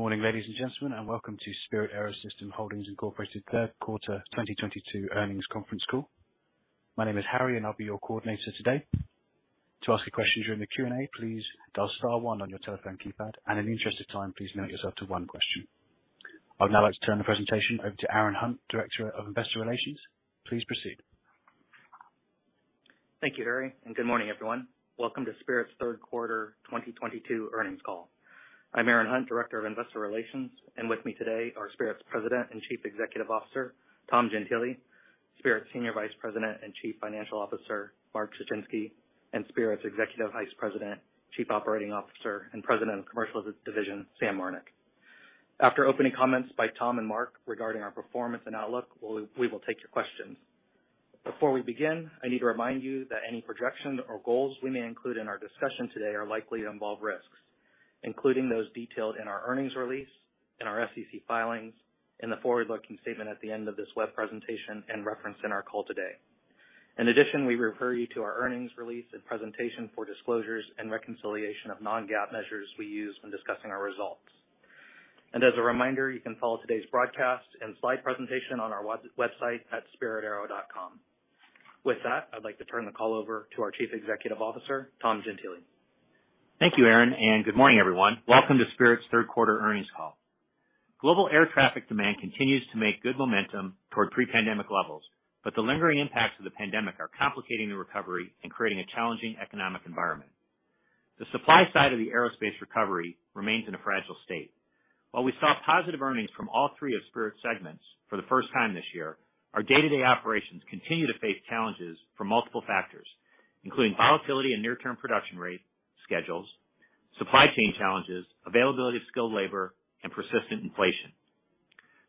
Morning, ladies and gentlemen, and welcome to Spirit AeroSystems Holdings, Inc. third quarter 2022 earnings conference call. My name is Harry, and I'll be your coordinator today. To ask a question during the Q&A, please dial star one on your telephone keypad, and in the interest of time, please limit yourself to one question. I'd now like to turn the presentation over to Aaron Hunt, Director of Investor Relations. Please proceed. Thank you, Harry, and good morning, everyone. Welcome to Spirit's third quarter 2022 earnings call. I'm Aaron Hunt, Director of Investor Relations, and with me today are Spirit's President and Chief Executive Officer, Tom Gentile, Spirit's Senior Vice President and Chief Financial Officer, Mark Suchinski, and Spirit's Executive Vice President, Chief Operating Officer, and President of Commercial Division, Sam Marnick. After opening comments by Tom and Mark regarding our performance and outlook, we will take your questions. Before we begin, I need to remind you that any projections or goals we may include in our discussion today are likely to involve risks, including those detailed in our earnings release, in our SEC filings, in the forward-looking statement at the end of this web presentation, and referenced in our call today. In addition, we refer you to our earnings release and presentation for disclosures and reconciliation of non-GAAP measures we use when discussing our results. As a reminder, you can follow today's broadcast and slide presentation on our website at spiritaero.com. With that, I'd like to turn the call over to our Chief Executive Officer, Tom Gentile. Thank you, Aaron, and good morning, everyone. Welcome to Spirit's third quarter earnings call. Global air traffic demand continues to make good momentum toward pre-pandemic levels, but the lingering impacts of the pandemic are complicating the recovery and creating a challenging economic environment. The supply side of the aerospace recovery remains in a fragile state. While we saw positive earnings from all three of Spirit's segments for the first time this year, our day-to-day operations continue to face challenges from multiple factors, including volatility and near-term production rate schedules, supply chain challenges, availability of skilled labor, and persistent inflation.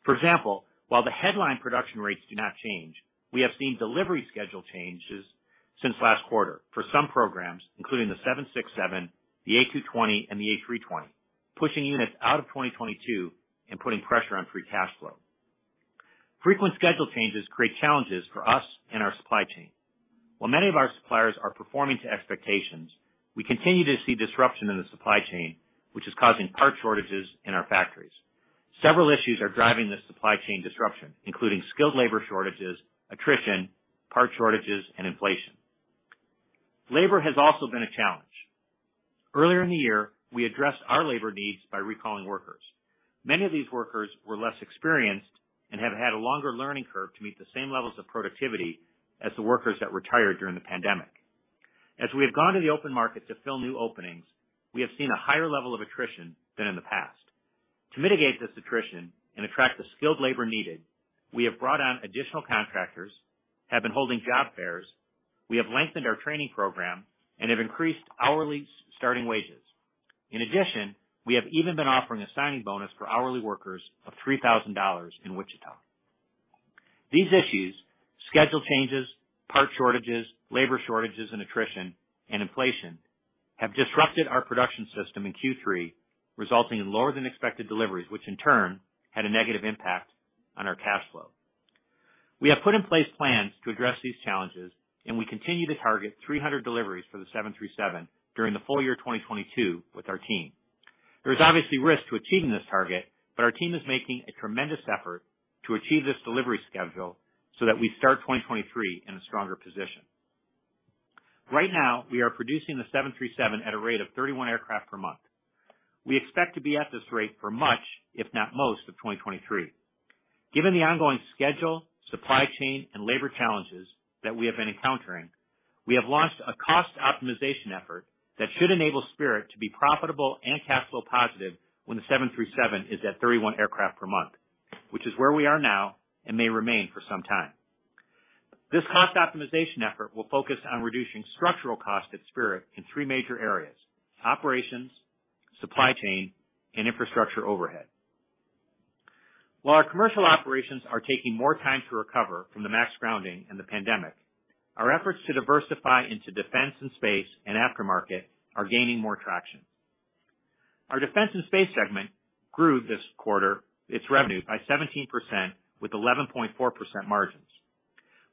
For example, while the headline production rates do not change, we have seen delivery schedule changes since last quarter for some programs, including the 767, the A220, and the A320, pushing units out of 2022 and putting pressure on free cash flow. Frequent schedule changes create challenges for us and our supply chain. While many of our suppliers are performing to expectations, we continue to see disruption in the supply chain, which is causing part shortages in our factories. Several issues are driving this supply chain disruption, including skilled labor shortages, attrition, part shortages, and inflation. Labor has also been a challenge. Earlier in the year, we addressed our labor needs by recalling workers. Many of these workers were less experienced and have had a longer learning curve to meet the same levels of productivity as the workers that retired during the pandemic. As we have gone to the open market to fill new openings, we have seen a higher level of attrition than in the past. To mitigate this attrition and attract the skilled labor needed, we have brought on additional contractors, have been holding job fairs, we have lengthened our training program, and have increased hourly starting wages. In addition, we have even been offering a signing bonus for hourly workers of $3,000 in Wichita. These issues, schedule changes, part shortages, labor shortages and attrition, and inflation, have disrupted our production system in Q3, resulting in lower than expected deliveries, which in turn had a negative impact on our cash flow. We have put in place plans to address these challenges, and we continue to target 300 deliveries for the 737 during the full year 2022 with our team. There is obviously risk to achieving this target, but our team is making a tremendous effort to achieve this delivery schedule so that we start 2023 in a stronger position. Right now, we are producing the 737 at a rate of 31 aircraft per month. We expect to be at this rate for much, if not most, of 2023. Given the ongoing schedule, supply chain, and labor challenges that we have been encountering, we have launched a cost optimization effort that should enable Spirit to be profitable and cash flow positive when the 737 is at 31 aircraft per month, which is where we are now and may remain for some time. This cost optimization effort will focus on reducing structural cost at Spirit in three major areas, operations, supply chain, and infrastructure overhead. While our commercial operations are taking more time to recover from the 737 MAX grounding and the pandemic, our efforts to diversify into defense and space and aftermarket are gaining more traction. Our defense and space segment grew this quarter, its revenue by 17% with 11.4% margins.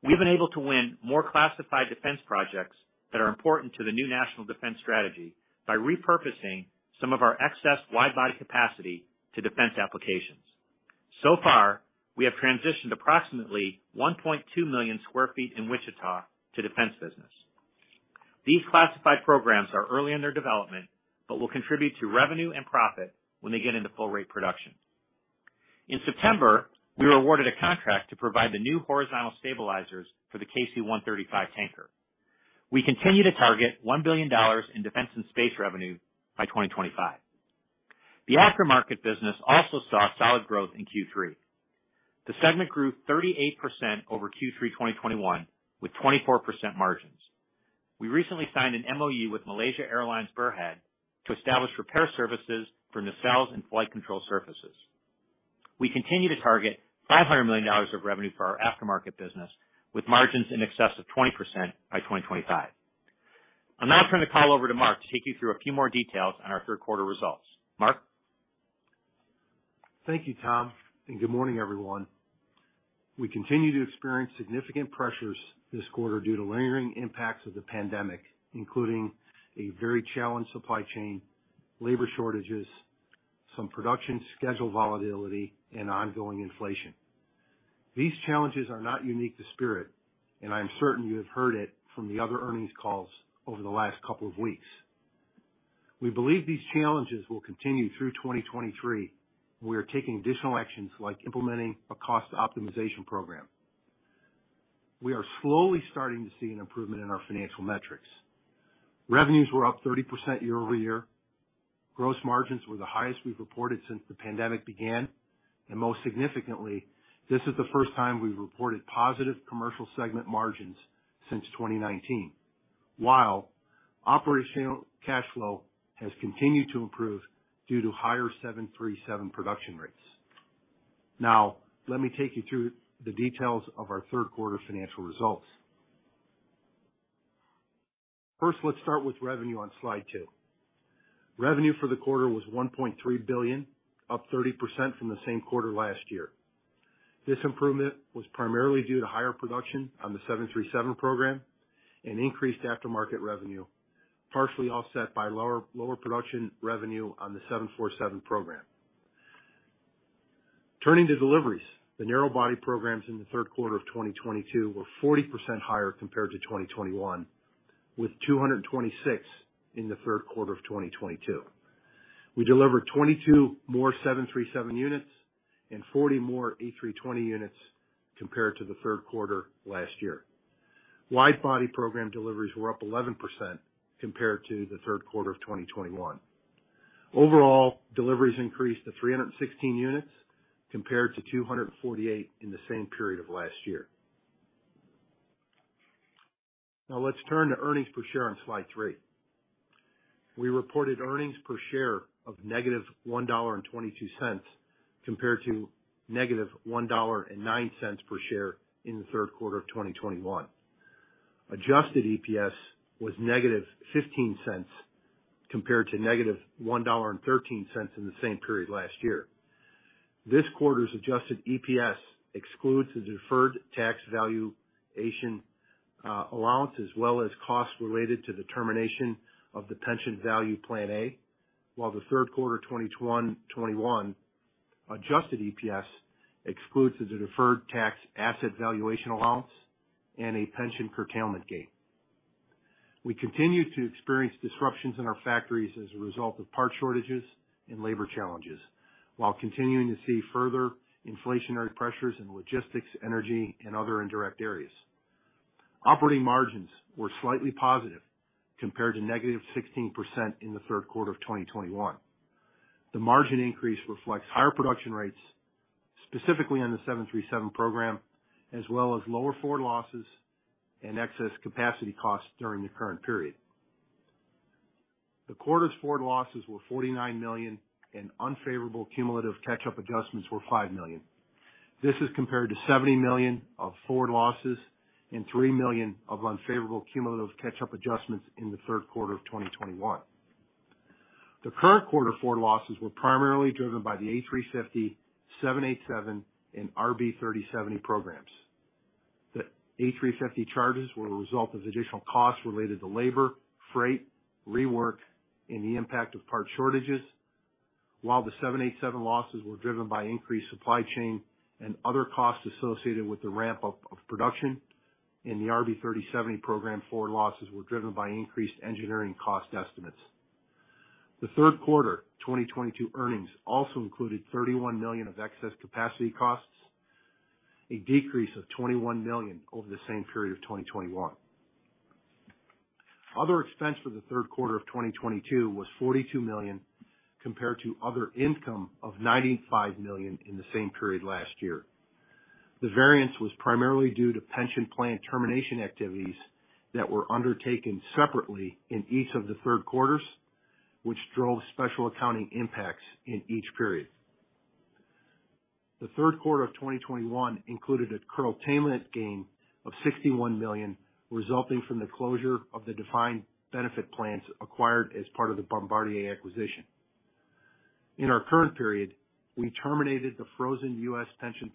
We've been able to win more classified defense projects that are important to the new national defense strategy by repurposing some of our excess wide-body capacity to defense applications. So far, we have transitioned approximately 1.2 million sq ft in Wichita to defense business. These classified programs are early in their development, but will contribute to revenue and profit when they get into full rate production. In September, we were awarded a contract to provide the new horizontal stabilizers for the KC-135 tanker. We continue to target $1 billion in defense and space revenue by 2025. The aftermarket business also saw solid growth in Q3. The segment grew 38% over Q3 2021 with 24% margins. We recently signed an MOU with Malaysia Airlines Berhad to establish repair services for nacelles and flight control surfaces. We continue to target $500 million of revenue for our aftermarket business, with margins in excess of 20% by 2025. I'll now turn the call over to Mark to take you through a few more details on our third quarter results. Mark? Thank you, Tom, and good morning, everyone. We continue to experience significant pressures this quarter due to lingering impacts of the pandemic, including a very challenged supply chain, labor shortages, some production schedule volatility, and ongoing inflation. These challenges are not unique to Spirit, and I'm certain you have heard it from the other earnings calls over the last couple of weeks. We believe these challenges will continue through 2023, and we are taking additional actions like implementing a cost optimization program. We are slowly starting to see an improvement in our financial metrics. Revenues were up 30% year-over-year. Gross margins were the highest we've reported since the pandemic began, and most significantly, this is the first time we've reported positive commercial segment margins since 2019. While operational cash flow has continued to improve due to higher 737 production rates. Now, let me take you through the details of our third quarter financial results. First, let's start with revenue on slide two. Revenue for the quarter was $1.3 billion, up 30% from the same quarter last year. This improvement was primarily due to higher production on the 737 program and increased aftermarket revenue, partially offset by lower production revenue on the 747 program. Turning to deliveries, the narrow body programs in the third quarter of 2022 were 40% higher compared to 2021, with 226 in the third quarter of 2022. We delivered 22 more 737 units and 40 more A320 units compared to the third quarter last year. Wide body program deliveries were up 11% compared to the third quarter of 2021. Overall, deliveries increased to 316 units compared to 248 in the same period of last year. Now let's turn to earnings per share on slide three. We reported earnings per share of -$1.22, compared to -$1.09 per share in the third quarter of 2021. Adjusted EPS was - $0.15 compared to -$1.13 in the same period last year. This quarter's adjusted EPS excludes the deferred tax valuation allowance, as well as costs related to the termination of the Pension Value Plan A, while the third quarter 2021 adjusted EPS excludes the deferred tax asset valuation allowance and a pension curtailment gain. We continue to experience disruptions in our factories as a result of part shortages and labor challenges, while continuing to see further inflationary pressures in logistics, energy, and other indirect areas. Operating margins were slightly positive compared to -16% in the third quarter of 2021. The margin increase reflects higher production rates, specifically on the 737 program, as well as lower forward losses and excess capacity costs during the current period. The quarter's forward losses were $49 million and unfavorable cumulative catch-up adjustments were $5 million. This is compared to $70 million of forward losses and $3 million of unfavorable cumulative catch-up adjustments in the third quarter of 2021. The current quarter forward losses were primarily driven by the A350, 787, and BR725 programs. The A350 charges were a result of additional costs related to labor, freight, rework, and the impact of part shortages. While the 787 losses were driven by increased supply chain and other costs associated with the ramp up of production. The BR725 program forward losses were driven by increased engineering cost estimates. The third quarter 2022 earnings also included $31 million of excess capacity costs, a decrease of $21 million over the same period of 2021. Other expense for the third quarter of 2022 was $42 million, compared to other income of $95 million in the same period last year. The variance was primarily due to pension plan termination activities that were undertaken separately in each of the third quarters, which drove special accounting impacts in each period. The third quarter of 2021 included a curtailment gain of $61 million resulting from the closure of the defined benefit plans acquired as part of the Bombardier acquisition. In our current period, we terminated the frozen U.S. Pension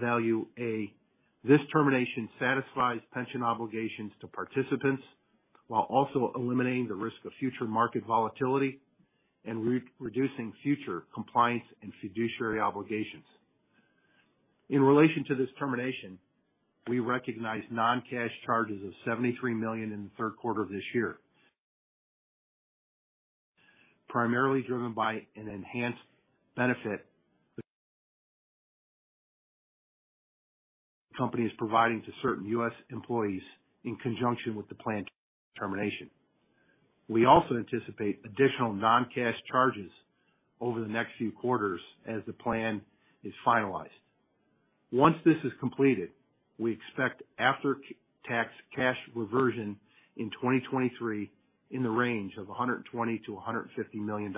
Value Plan A. This termination satisfies pension obligations to participants while also eliminating the risk of future market volatility and reducing future compliance and fiduciary obligations. In relation to this termination, we recognized non-cash charges of $73 million in the third quarter of this year, primarily driven by an enhanced benefit the company is providing to certain U.S. employees in conjunction with the plan termination. We also anticipate additional non-cash charges over the next few quarters as the plan is finalized. Once this is completed, we expect after-tax cash reversion in 2023 in the range of $120 million-$150 million.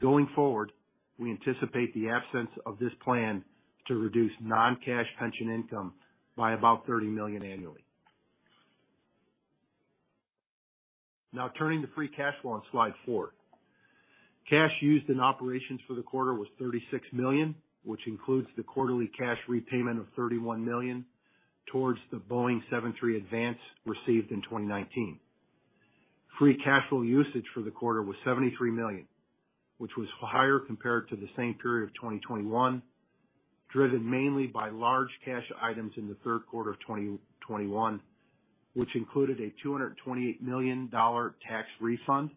Going forward, we anticipate the absence of this plan to reduce non-cash pension income by about $30 million annually. Now turning to free cash flow on slide four. Cash used in operations for the quarter was $36 million, which includes the quarterly cash repayment of $31 million towards the Boeing 737 advance received in 2019. Free cash flow usage for the quarter was $73 million, which was higher compared to the same period of 2021, driven mainly by large cash items in the third quarter of 2021, which included a $228 million tax refund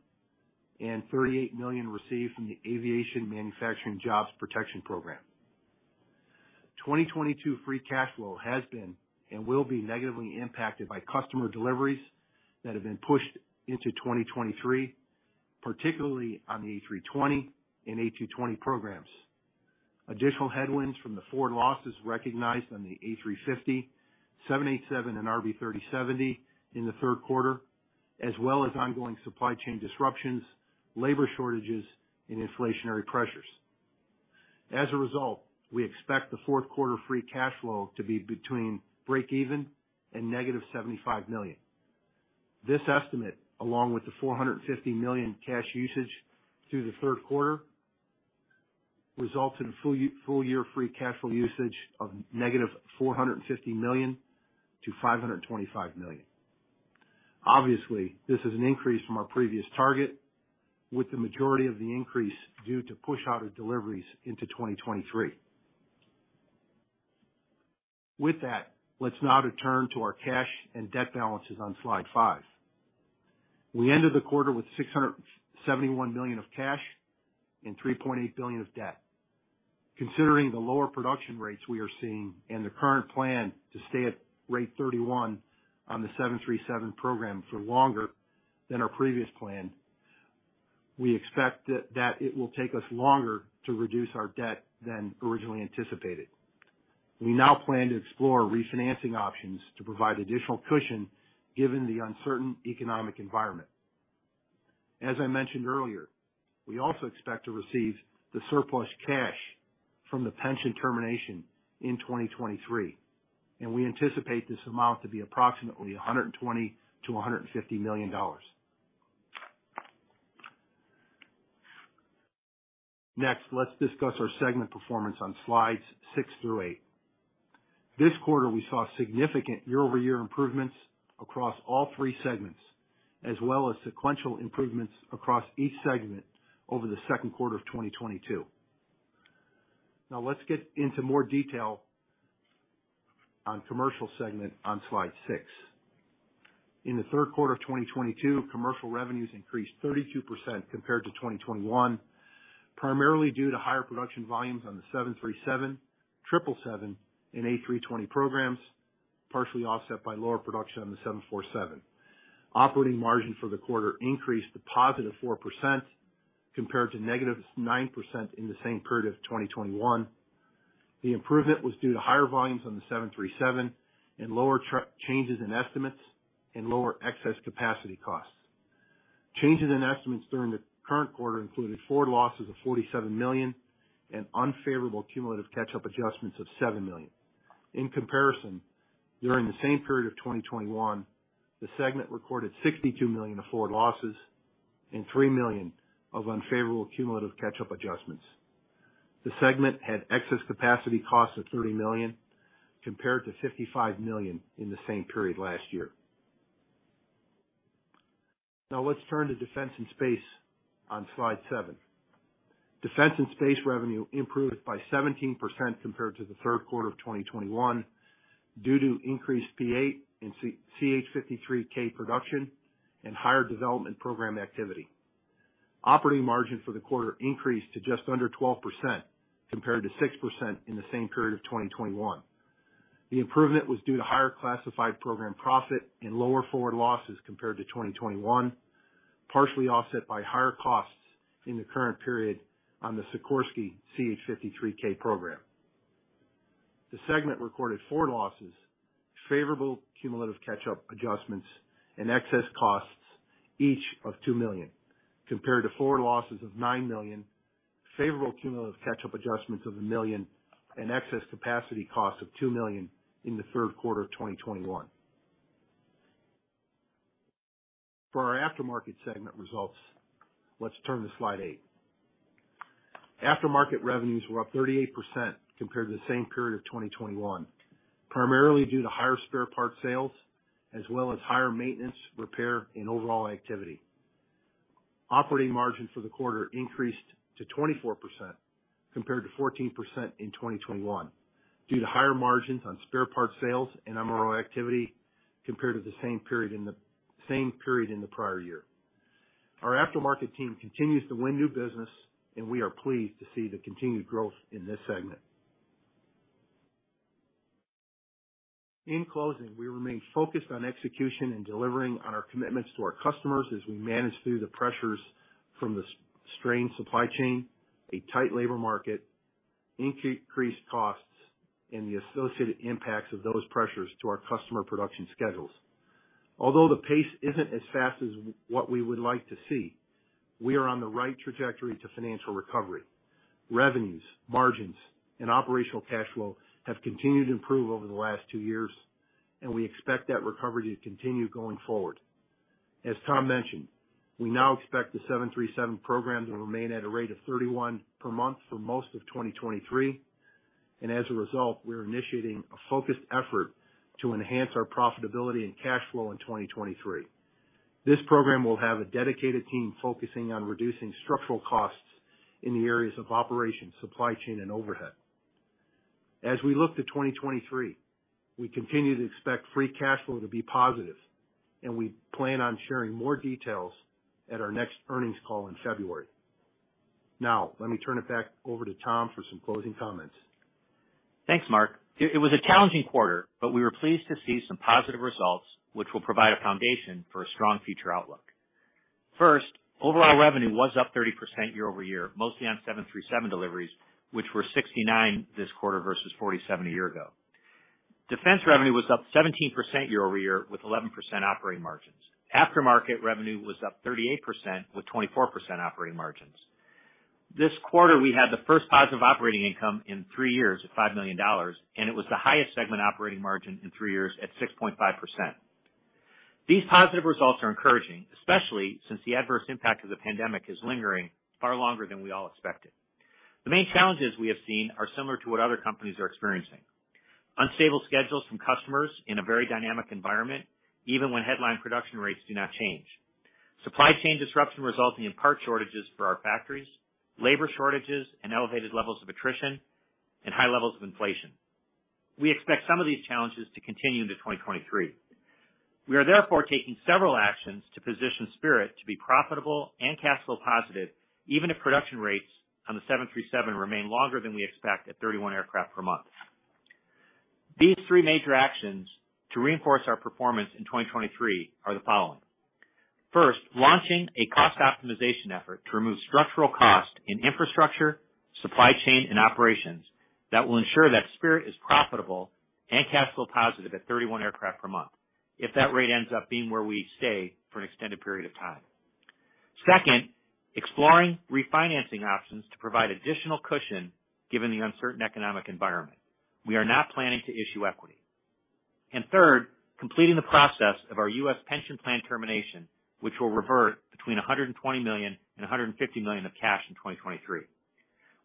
and $38 million received from the Aviation Manufacturing Jobs Protection Program. 2022 free cash flow has been, and will be negatively impacted by customer deliveries that have been pushed into 2023, particularly on the A320 and A220 programs. Additional headwinds from the forward losses recognized on the A350, 787 and 777 in the third quarter, as well as ongoing supply chain disruptions, labor shortages and inflationary pressures. As a result, we expect the fourth quarter free cash flow to be between $0 and -$75 million. This estimate, along with the $450 million cash usage through the third quarter, results in full-year free cash flow usage of -$450 million-$525 million. Obviously, this is an increase from our previous target, with the majority of the increase due to push out of deliveries into 2023. With that, let's now return to our cash and debt balances on slide five. We ended the quarter with $671 million of cash and $3.8 billion of debt. Considering the lower production rates we are seeing and the current plan to stay at rate 31 on the 737 program for longer than our previous plan, we expect that it will take us longer to reduce our debt than originally anticipated. We now plan to explore refinancing options to provide additional cushion given the uncertain economic environment. As I mentioned earlier, we also expect to receive the surplus cash from the pension termination in 2023, and we anticipate this amount to be approximately $120 million-$150 million. Next, let's discuss our segment performance on slides six through eight. This quarter, we saw significant year-over-year improvements across all three segments, as well as sequential improvements across each segment over the second quarter of 2022. Now let's get into more detail on commercial segment on slide six. In the third quarter of 2022, commercial revenues increased 32% compared to 2021, primarily due to higher production volumes on the 737, 777, and A320 programs, partially offset by lower production on the 747. Operating margin for the quarter increased to +4% compared to -9% in the same period of 2021. The improvement was due to higher volumes on the 737 and lower changes in estimates and lower excess capacity costs. Changes in estimates during the current quarter included forward losses of $47 million and unfavorable cumulative catch-up adjustments of $7 million. In comparison, during the same period of 2021, the segment recorded $62 million of forward losses and $3 million of unfavorable cumulative catch-up adjustments. The segment had excess capacity costs of $30 million, compared to $55 million in the same period last year. Now let's turn to defense and space on slide seven. Defense and space revenue improved by 17% compared to the third quarter of 2021 due to increased P-8 and CH-53K production and higher development program activity. Operating margin for the quarter increased to just under 12%, compared to 6% in the same period of 2021. The improvement was due to higher classified program profit and lower forward losses compared to 2021, partially offset by higher costs in the current period on the Sikorsky CH-53K program. The segment recorded forward losses, favorable cumulative catch-up adjustments and excess capacity costs, each of $2 million, compared to forward losses of $9 million, favorable cumulative catch-up adjustments of $1 million, and excess capacity costs of $2 million in the third quarter of 2021. For our aftermarket segment results, let's turn to slide eight. Aftermarket revenues were up 38% compared to the same period of 2021, primarily due to higher spare parts sales, as well as higher maintenance, repair, and overall activity. Operating margin for the quarter increased to 24% compared to 14% in 2021 due to higher margins on spare parts sales and MRO activity compared to the same period in the prior year. Our aftermarket team continues to win new business, and we are pleased to see the continued growth in this segment. In closing, we remain focused on execution and delivering on our commitments to our customers as we manage through the pressures from the strained supply chain, a tight labor market, increased costs and the associated impacts of those pressures to our customer production schedules. Although the pace isn't as fast as what we would like to see. We are on the right trajectory to financial recovery. Revenues, margins, and operational cash flow have continued to improve over the last two years, and we expect that recovery to continue going forward. As Tom mentioned, we now expect the 737 program to remain at a rate of 31 per month for most of 2023, and as a result, we are initiating a focused effort to enhance our profitability and cash flow in 2023. This program will have a dedicated team focusing on reducing structural costs in the areas of operations, supply chain, and overhead. As we look to 2023, we continue to expect free cash flow to be positive, and we plan on sharing more details at our next earnings call in February. Now, let me turn it back over to Tom for some closing comments. Thanks, Mark. It was a challenging quarter, but we were pleased to see some positive results which will provide a foundation for a strong future outlook. First, overall revenue was up 30% year-over-year, mostly on 737 deliveries, which were 69 this quarter versus 47 a year ago. Defense revenue was up 17% year-over-year with 11% operating margins. Aftermarket revenue was up 38% with 24% operating margins. This quarter, we had the first positive operating income in three years at $5 million, and it was the highest segment operating margin in three years at 6.5%. These positive results are encouraging, especially since the adverse impact of the pandemic is lingering far longer than we all expected. The main challenges we have seen are similar to what other companies are experiencing. Unstable schedules from customers in a very dynamic environment, even when headline production rates do not change. Supply chain disruption resulting in part shortages for our factories, labor shortages, and elevated levels of attrition and high levels of inflation. We expect some of these challenges to continue into 2023. We are therefore taking several actions to position Spirit to be profitable and cash flow positive, even if production rates on the 737 remain longer than we expect at 31 aircraft per month. These three major actions to reinforce our performance in 2023 are the following. First, launching a cost optimization effort to remove structural cost in infrastructure, supply chain and operations that will ensure that Spirit is profitable and cash flow positive at 31 aircraft per month if that rate ends up being where we stay for an extended period of time. Second, exploring refinancing options to provide additional cushion given the uncertain economic environment. We are not planning to issue equity. Third, completing the process of our U.S. pension plan termination, which will revert between $120 million and $150 million of cash in 2023.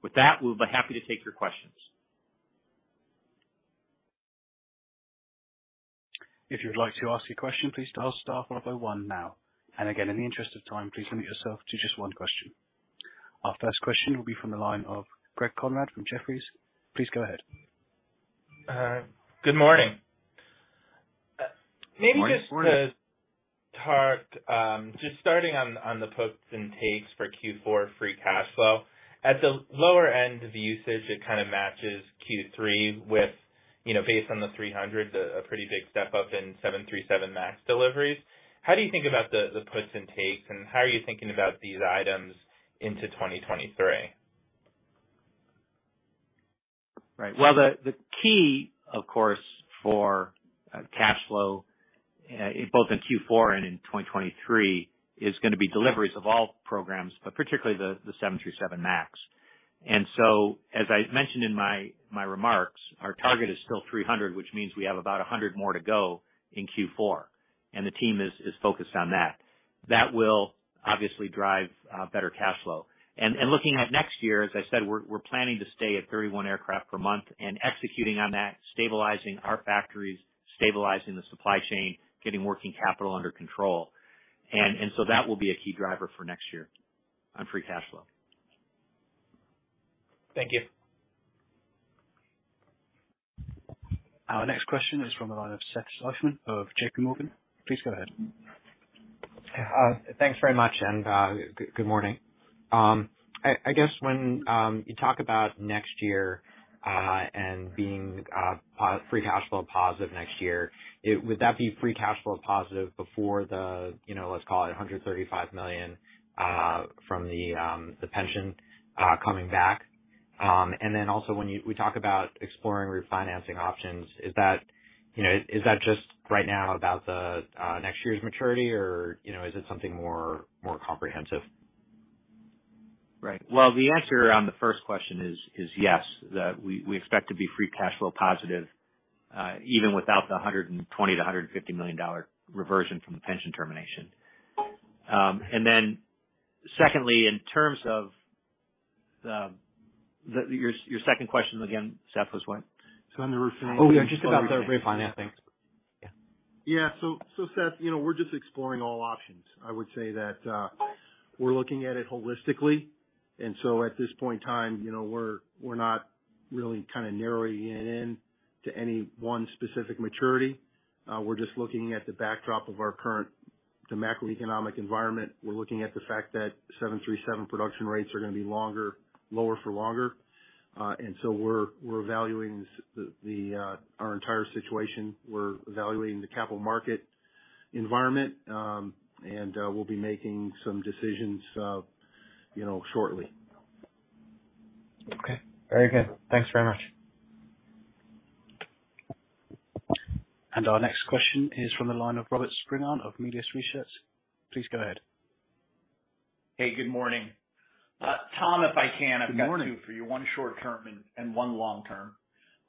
With that, we'll be happy to take your questions. If you would like to ask a question, please dial star one oh one now. Again, in the interest of time, please limit yourself to just one question. Our first question will be from the line of Greg Konrad from Jefferies. Please go ahead. Good morning. Morning. Maybe just to start, just starting on the puts and takes for Q4 free cash flow. At the lower end of the usage, it kind of matches Q3 with based on the 300, a pretty big step up in 737 MAX deliveries. How do you think about the puts and takes, and how are you thinking about these items into 2023? Right. Well, the key, of course, for cash flow both in Q4 and in 2023, is gonna be deliveries of all programs, but particularly the 737 MAX. As I mentioned in my remarks, our target is still 300, which means we have about 100 more to go in Q4, and the team is focused on that. That will obviously drive better cash flow. Looking at next year, as I said, we're planning to stay at 31 aircraft per month and executing on that, stabilizing our factories, stabilizing the supply chain, getting working capital under control. That will be a key driver for next year on free cash flow. Thank you. Our next question is from the line of Seth Seifman of JPMorgan. Please go ahead. Thanks very much. Good morning. I guess when you talk about next year and being free cash flow positive next year, would that be free cash flow positive before the, you know, let's call it $135 million from the pension coming back? Also when we talk about exploring refinancing options, is that just right now about the next year's maturity or is it something more comprehensive? Right. Well, the answer on the first question is yes, that we expect to be free cash flow positive, even without the $120 million-$150 million reversion from the pension termination. Your second question again, Seth, was what? On the refinancing. Oh, yeah, just about the refinancing. Yeah, Seth we're just exploring all options. I would say that we're looking at it holistically, and so at this point in time, you know, we're not really kind of narrowing it in to any one specific maturity. We're just looking at the backdrop of our current macroeconomic environment. We're looking at the fact that 737 production rates are gonna be lower for longer. And so we're evaluating our entire situation. We're evaluating the capital market environment. We'll be making some decisions, you know, shortly. Okay. Very good. Thanks very much. Our next question is from the line of Robert Spingarn of Melius Research. Please go ahead. Hey, good morning. Tom, if I can, I've got two for you, one short-term and one long-term.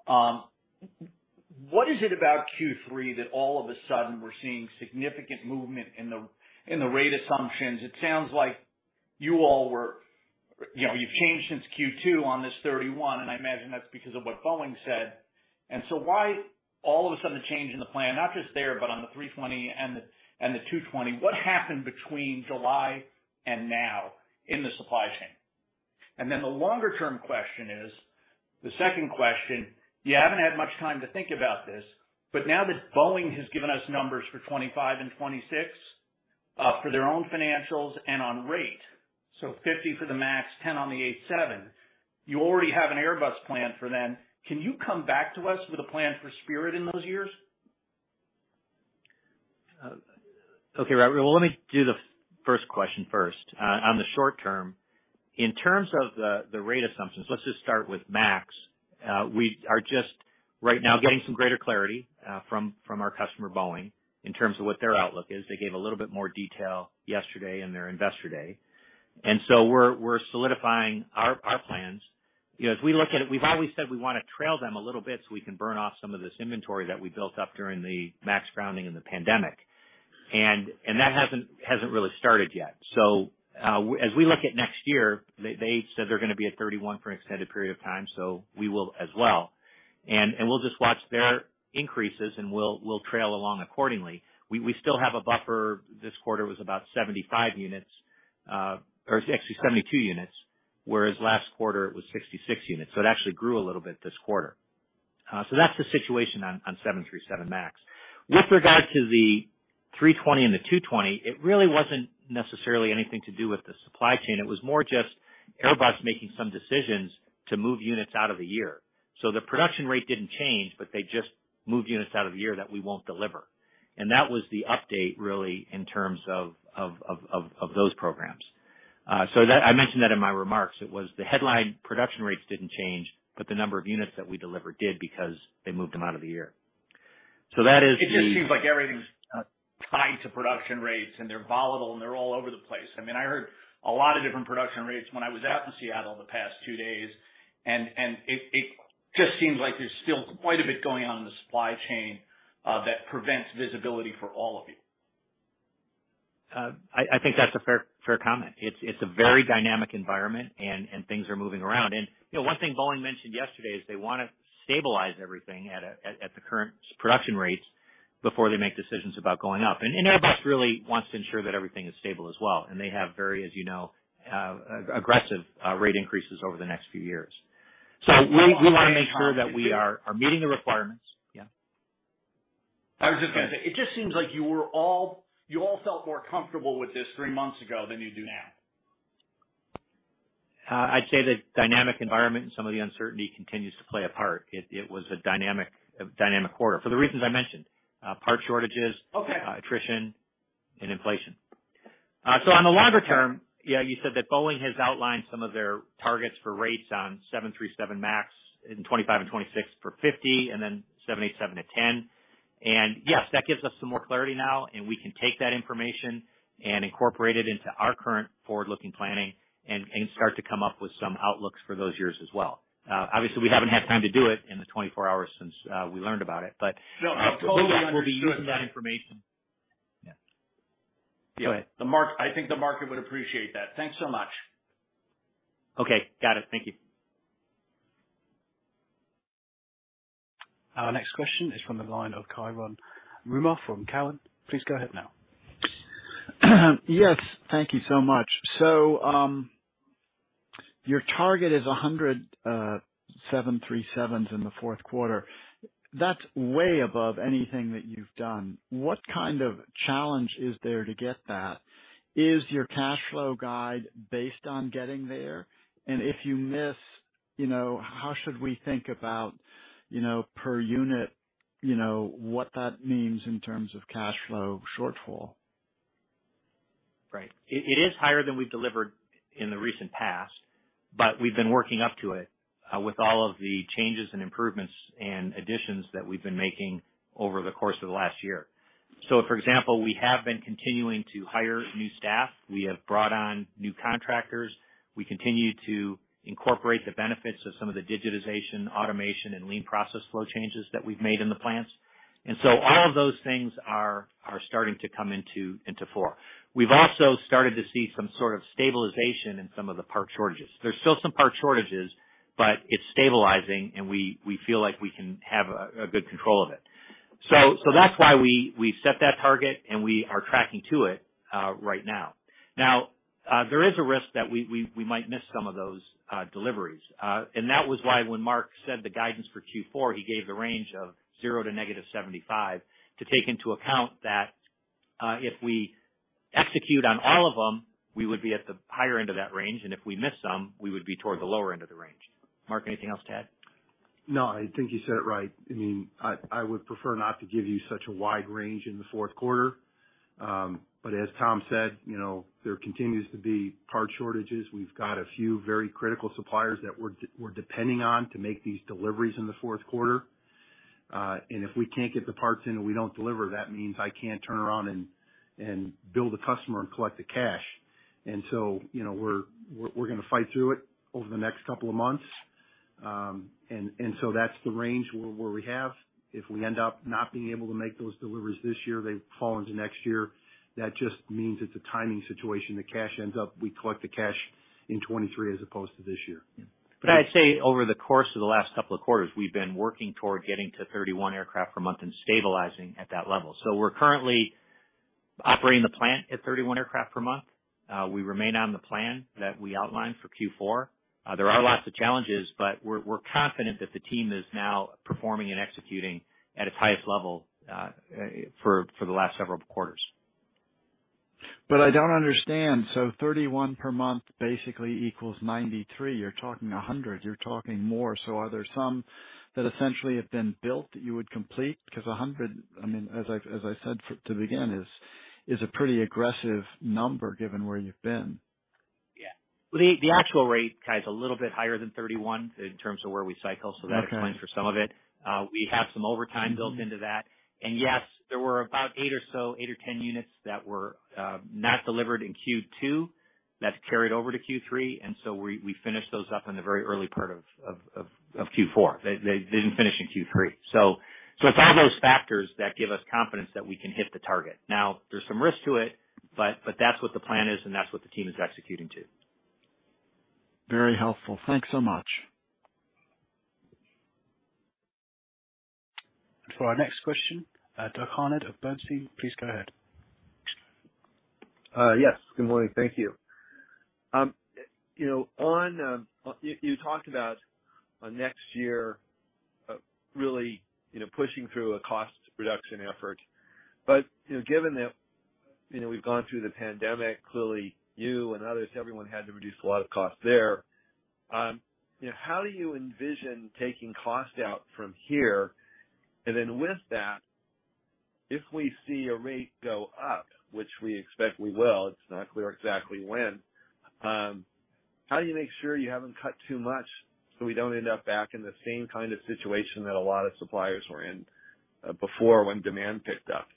What is it about Q3 that all of a sudden we're seeing significant movement in the rate assumptions? It sounds like you all, you know, you've changed since Q2 on this 737, and I imagine that's because of what Boeing said. Why all of a sudden the change in the plan, not just there, but on the A320 and the A220? What happened between July and now in the supply chain? Then the longer-term question is, the second question, you haven't had much time to think about this, but now that Boeing has given us numbers for 2025 and 2026, for their own financials and on rate, so 50 for the Max, 10 on the 777, you already have an Airbus plan for them. Can you come back to us with a plan for Spirit in those years? Okay, Robert. Well, let me do the first question first. On the short term, in terms of the rate assumptions, let's just start with Max. We are just right now getting some greater clarity from our customer, Boeing, in terms of what their outlook is. They gave a little bit more detail yesterday in their Investor Day. We're solidifying our plans. You know, as we look at it, we've always said we wanna trail them a little bit so we can burn off some of this inventory that we built up during the Max grounding and the pandemic. That hasn't really started yet. As we look at next year, they said they're gonna be at 31 for an extended period of time, so we will as well. We'll just watch their increases, and we'll trail along accordingly. We still have a buffer. This quarter was about 75 units, or actually 72 units, whereas last quarter it was 66 units. It actually grew a little bit this quarter. That's the situation on 737 MAX. With regard to the A320 and the A220, it really wasn't necessarily anything to do with the supply chain. It was more just Airbus making some decisions to move units out of the year. The production rate didn't change, but they just moved units out of the year that we won't deliver. That was the update really in terms of those programs. I mentioned that in my remarks. It was the headline production rates didn't change, but the number of units that we delivered did because they moved them out of the year. That is the It just seems like everything's tied to production rates and they're volatile and they're all over the place. I mean, I heard a lot of different production rates when I was out in Seattle the past two days, and it just seems like there's still quite a bit going on in the supply chain that prevents visibility for all of you. I think that's a fair comment. It's a very dynamic environment and things are moving around. You know, one thing Boeing mentioned yesterday is they wanna stabilize everything at the current production rates before they make decisions about going up. Airbus really wants to ensure that everything is stable as well. They have very, as you know, aggressive rate increases over the next few years. We wanna make sure that we are meeting the requirements. Yeah. I was just gonna say, it just seems like you all felt more comfortable with this three months ago than you do now. I'd say the dynamic environment and some of the uncertainty continues to play a part. It was a dynamic quarter for the reasons I mentioned, part shortagesattrition and inflation. On the longer term, yeah, you said that Boeing has outlined some of their targets for rates on 737 MAX in 2025 and 2026 for 50 and then 787 to 10. Yes, that gives us some more clarity now, and we can take that information and incorporate it into our current forward-looking planning and start to come up with some outlooks for those years as well. Obviously we haven't had time to do it in the 24 hours since we learned about it, but. No, I totally understand. We'll be using that information. Yeah. Go ahead. I think the market would appreciate that. Thanks so much. Okay. Got it. Thank you. Our next question is from the line of Cai von Rumohr from TD Cowen. Please go ahead now. Yes. Thank you so much. Your target is 100 737s in the fourth quarter. That's way above anything that you've done. What kind of challenge is there to get that? Is your cash flow guide based on getting there? If you miss, you know, how should we think about, you know, per unit, you know, what that means in terms of cash flow shortfall? Right. It is higher than we've delivered in the recent past, but we've been working up to it with all of the changes and improvements and additions that we've been making over the course of the last year. For example, we have been continuing to hire new staff. We have brought on new contractors. We continue to incorporate the benefits of some of the digitization, automation, and lean process flow changes that we've made in the plants. All of those things are starting to come into force. We've also started to see some sort of stabilization in some of the part shortages. There's still some part shortages, but it's stabilizing, and we feel like we can have a good control of it. That's why we set that target, and we are tracking to it right now. Now, there is a risk that we might miss some of those deliveries. That was why when Mark said the guidance for Q4, he gave the range of $0 to -$75 to take into account that, if we execute on all of them, we would be at the higher end of that range, and if we miss some, we would be toward the lower end of the range. Mark, anything else to add? No, I think you said it right. I mean, I would prefer not to give you such a wide range in the fourth quarter. As Tom said, you know, there continues to be part shortages. We've got a few very critical suppliers that we're depending on to make these deliveries in the fourth quarter. If we can't get the parts in and we don't deliver, that means I can't turn around and bill the customer and collect the cash. We're gonna fight through it over the next couple of months. That's the range where we have. If we end up not being able to make those deliveries this year, they fall into next year. That just means it's a timing situation. The cash ends up, we collect the cash in 2023 as opposed to this year. I'd say over the course of the last couple of quarters, we've been working toward getting to 31 aircraft per month and stabilizing at that level. We're currently operating the plant at 31 aircraft per month. We remain on the plan that we outlined for Q4. There are lots of challenges, but we're confident that the team is now performing and executing at its highest level for the last several quarters. I don't understand. 31 per month basically equals 93. You're talking 100, you're talking more. Are there some that essentially have been built that you would complete? Because 100, I mean, as I said to begin, is a pretty aggressive number given where you've been. Yeah. The actual rate, Cai, is a little bit higher than 31 in terms of where we cycle. Okay. That explains for some of it. We have some overtime built into that. Yes, there were about 8 or so, 8 or 10 units that were not delivered in Q2. That's carried over to Q3, and we finished those up in the very early part of Q4. They didn't finish in Q3. It's all those factors that give us confidence that we can hit the target. Now, there's some risk to it, but that's what the plan is, and that's what the team is executing to. Very helpful. Thanks so much. For our next question, Doug Harned of Bernstein, please go ahead. Yes, good morning. Thank you. Youou talked about next year, really, you know, pushing through a cost reduction effort. Given that, you know, we've gone through the pandemic, clearly you and others, everyone had to reduce a lot of costs there. You know, how do you envision taking cost out from here? Then with that, if we see a rate go up, which we expect we will, it's not clear exactly when, how do you make sure you haven't cut too much so we don't end up back in the same kind of situation that a lot of suppliers were in, before when demand picked up?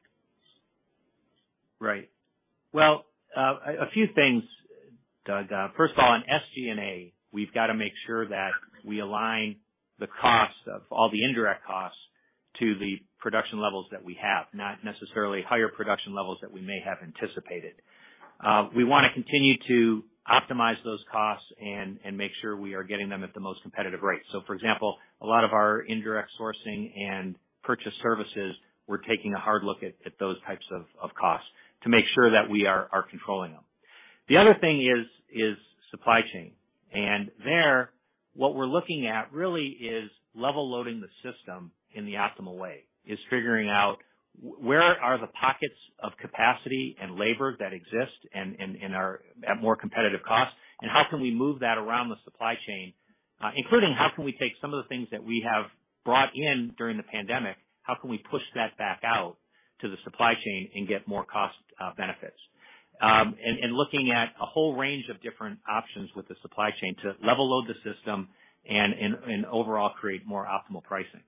Right. Well, a few things, Doug. First of all on SG&A, we've got to make sure that we align the costs of all the indirect costs to the production levels that we have, not necessarily higher production levels that we may have anticipated. We wanna continue to optimize those costs and make sure we are getting them at the most competitive rate. So for example, a lot of our indirect sourcing and purchase services, we're taking a hard look at those types of costs to make sure that we are controlling them. The other thing is supply chain. There, what we're looking at really is level loading the system in the optimal way. It's figuring out where are the pockets of capacity and labor that exist and in areas at more competitive costs, and how can we move that around the supply chain? Including how can we take some of the things that we have brought in during the pandemic, how can we push that back out to the supply chain and get more cost benefits? And looking at a whole range of different options with the supply chain to level load the system and overall create more optimal pricing.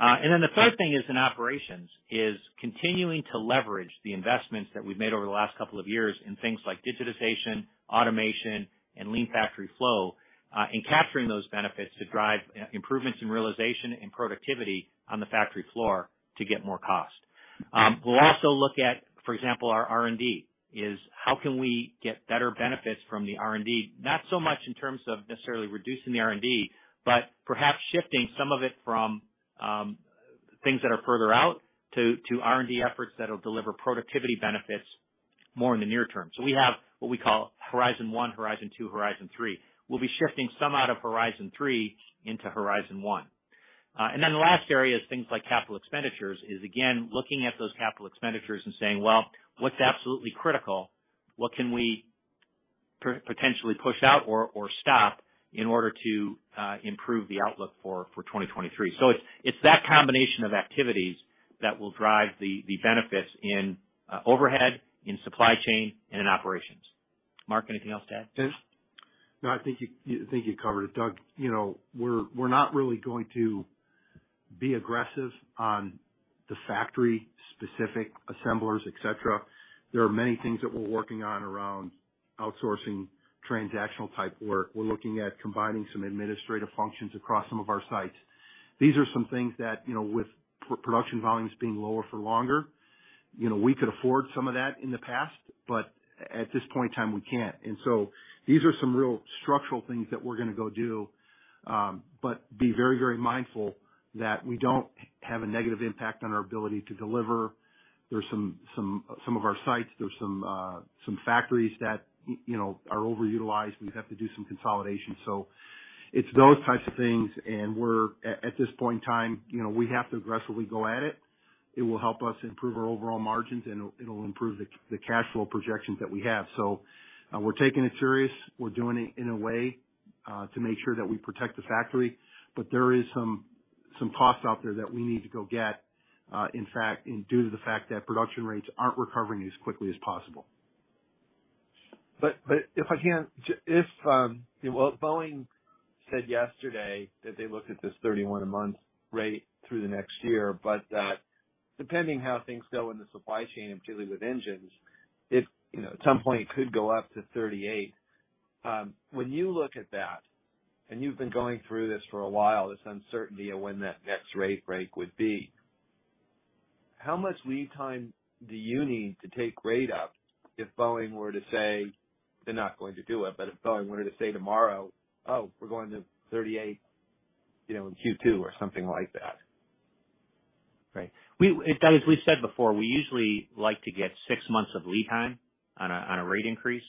And then the third thing in operations is continuing to leverage the investments that we've made over the last couple of years in things like digitization, automation, and lean factory flow, and capturing those benefits to drive improvements in realization and productivity on the factory floor to get more cost. We'll also look at, for example, our R&D. It's how can we get better benefits from the R&D? Not so much in terms of necessarily reducing the R&D, but perhaps shifting some of it from things that are further out to R&D efforts that'll deliver productivity benefits more in the near term. We have what we call Horizon 1, Horizon 2, Horizon 3. We'll be shifting some out of Horizon 3 into Horizon 1. Then the last area is things like capital expenditures, again looking at those capital expenditures and saying, "Well, what's absolutely critical? What can we potentially push out or stop in order to improve the outlook for 2023?" It's that combination of activities that will drive the benefits in overhead, in supply chain, and in operations. Mark, anything else to add? No, I think you covered it. Doug, you know, we're not really going to be aggressive on the factory specific assemblers, etc. There are many things that we're working on around outsourcing transactional type work. We're looking at combining some administrative functions across some of our sites. These are some things that, you know, with pre-production volumes being lower for longer, you know, we could afford some of that in the past, but at this point in time we can't. These are some real structural things that we're gonna go do. Be very, very mindful that we don't have a negative impact on our ability to deliver. There's some of our sites, there's some factories that, you know, are overutilized. We have to do some consolidation. It's those types of things. We're at this point in time, you know, we have to aggressively go at it. It will help us improve our overall margins, and it'll improve the cash flow projections that we have. We're taking it serious. We're doing it in a way to make sure that we protect the factory. There is some costs out there that we need to go get, in fact, due to the fact that production rates aren't recovering as quickly as possible. Boeing said yesterday that they looked at this 31 a month rate through the next year, but depending how things go in the supply chain, and particularly with engines, if you know, at some point it could go up to 38. When you look at that, and you've been going through this for a while, this uncertainty of when that next rate break would be, how much lead time do you need to take rate up if Boeing were to say they're not going to do it, but if Boeing were to say tomorrow, "Oh, we're going to 38, you know, in Q2," or something like that. Right. We, as we've said before, we usually like to get six months of lead time on a rate increase.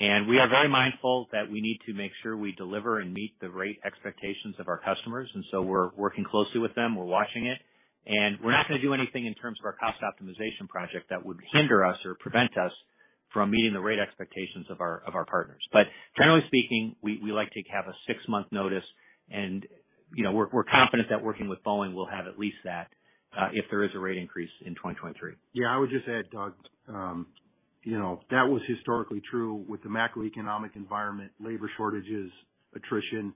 We are very mindful that we need to make sure we deliver and meet the rate expectations of our customers. We're working closely with them, we're watching it, and we're not gonna do anything in terms of our cost optimization project that would hinder us or prevent us from meeting the rate expectations of our partners. Generally speaking, we like to have a six-month notice and, you know, we're confident that working with Boeing, we'll have at least that, if there is a rate increase in 2023. Yeah, I would just add, Doug, you know, that was historically true with the macroeconomic environment, labor shortages, attrition.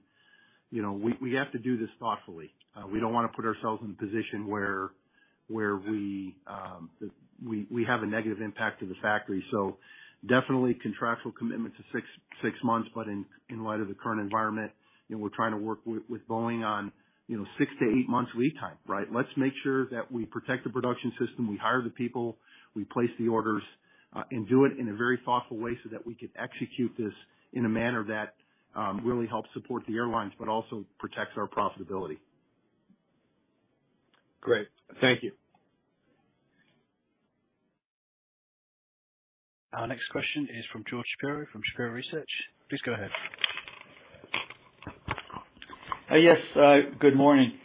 You know, we have to do this thoughtfully. We don't wanna put ourselves in a position where we have a negative impact to the factory. Definitely contractual commitment to six months. In light of the current environment, you know, we're trying to work with Boeing on six to eight months lead time, right? Let's make sure that we protect the production system, we hire the people, we place the orders, and do it in a very thoughtful way so that we can execute this in a manner that really helps support the airlines but also protects our profitability. Great. Thank you. Our next question is from George Shapiro from Shapiro Research. Please go ahead. Yes, good morning.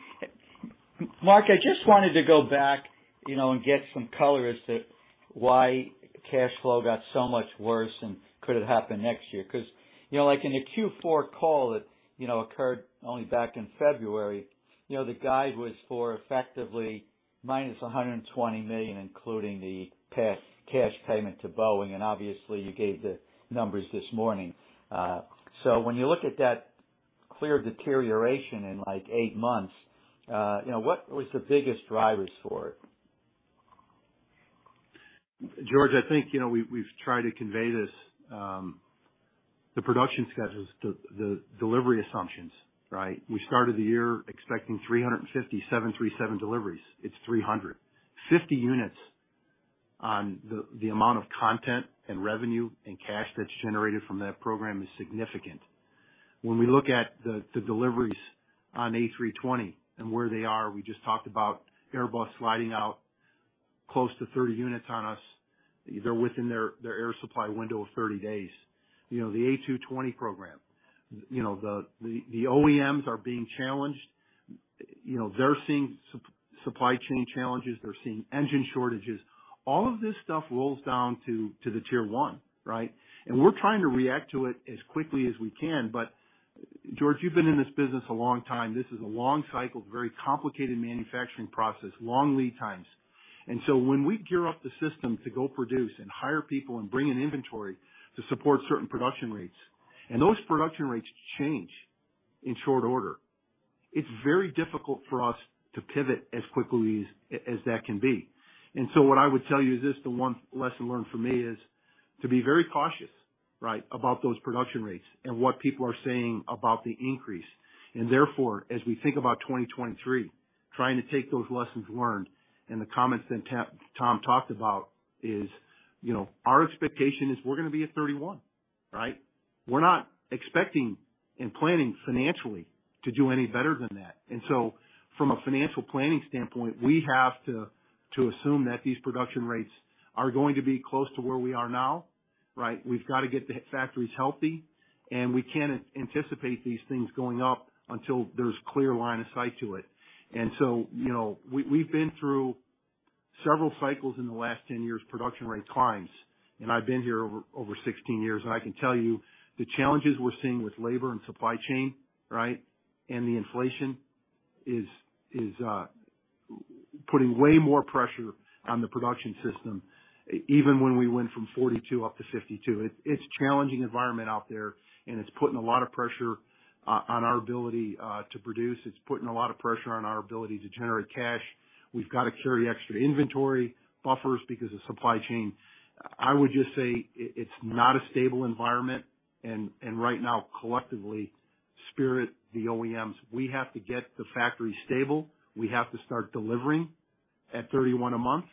Mark, I just wanted to go back, you know, and get some color as to why cash flow got so much worse and could it happen next year? 'Cause, you know, like, in the Q4 call that, you know, occurred only back in February, you know, the guide was for effectively minus $120 million, including the cash payment to Boeing, and obviously you gave the numbers this morning. When you look at that clear deterioration in, like, eight months, you know, what was the biggest drivers for it? George, I think, you know, we've tried to convey this, the production schedules, the delivery assumptions, right? We started the year expecting 357 737 deliveries. It's 350 units on the amount of content and revenue and cash that's generated from that program is significant. When we look at the deliveries on A320 and where they are, we just talked about Airbus sliding out close to 30 units on us. They're within their Airbus supply window of 30 days. You know, the A220 program, you know, the OEMs are being challenged. You know, they're seeing supply chain challenges. They're seeing engine shortages. All of this stuff rolls down to the tier one, right? We're trying to react to it as quickly as we can. George, you've been in this business a long time. This is a long cycle, very complicated manufacturing process, long lead times. When we gear up the system to go produce and hire people and bring in inventory to support certain production rates, and those production rates change in short order, it's very difficult for us to pivot as quickly as that can be. What I would tell you is this, the one lesson learned for me is to be very cautious, right, about those production rates and what people are saying about the increase. Therefore, as we think about 2023, trying to take those lessons learned and the comments that Tom talked about is, you know, our expectation is we're gonna be at 31, right? We're not expecting and planning financially to do any better than that. From a financial planning standpoint, we have to assume that these production rates are going to be close to where we are now, right? We've got to get the factories healthy, and we can't anticipate these things going up until there's clear line of sight to it. You know, we've been through several cycles in the last 10 years, production rate climbs, and I've been here over 16 years, and I can tell you the challenges we're seeing with labor and supply chain, right? The inflation is putting way more pressure on the production system, even when we went from 42 up to 52. It's challenging environment out there, and it's putting a lot of pressure on our ability to produce. It's putting a lot of pressure on our ability to generate cash. We've got to carry extra inventory buffers because of supply chain. I would just say it's not a stable environment, and right now, collectively, Spirit, the OEMs, we have to get the factory stable. We have to start delivering at 31 a month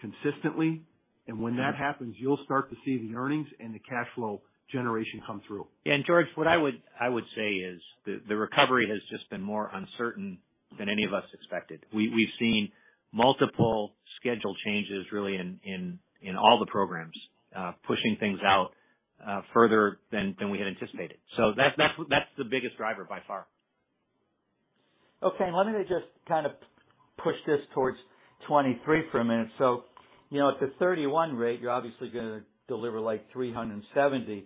consistently. When that happens, you'll start to see the earnings and the cash flow generation come through. George, what I would say is the recovery has just been more uncertain than any of us expected. We've seen multiple schedule changes really in all the programs, pushing things out further than we had anticipated. That's the biggest driver by far. Okay, let me just push this towards 2023 for a minute. You know, at the 31 rate, you're obviously gonna deliver like 377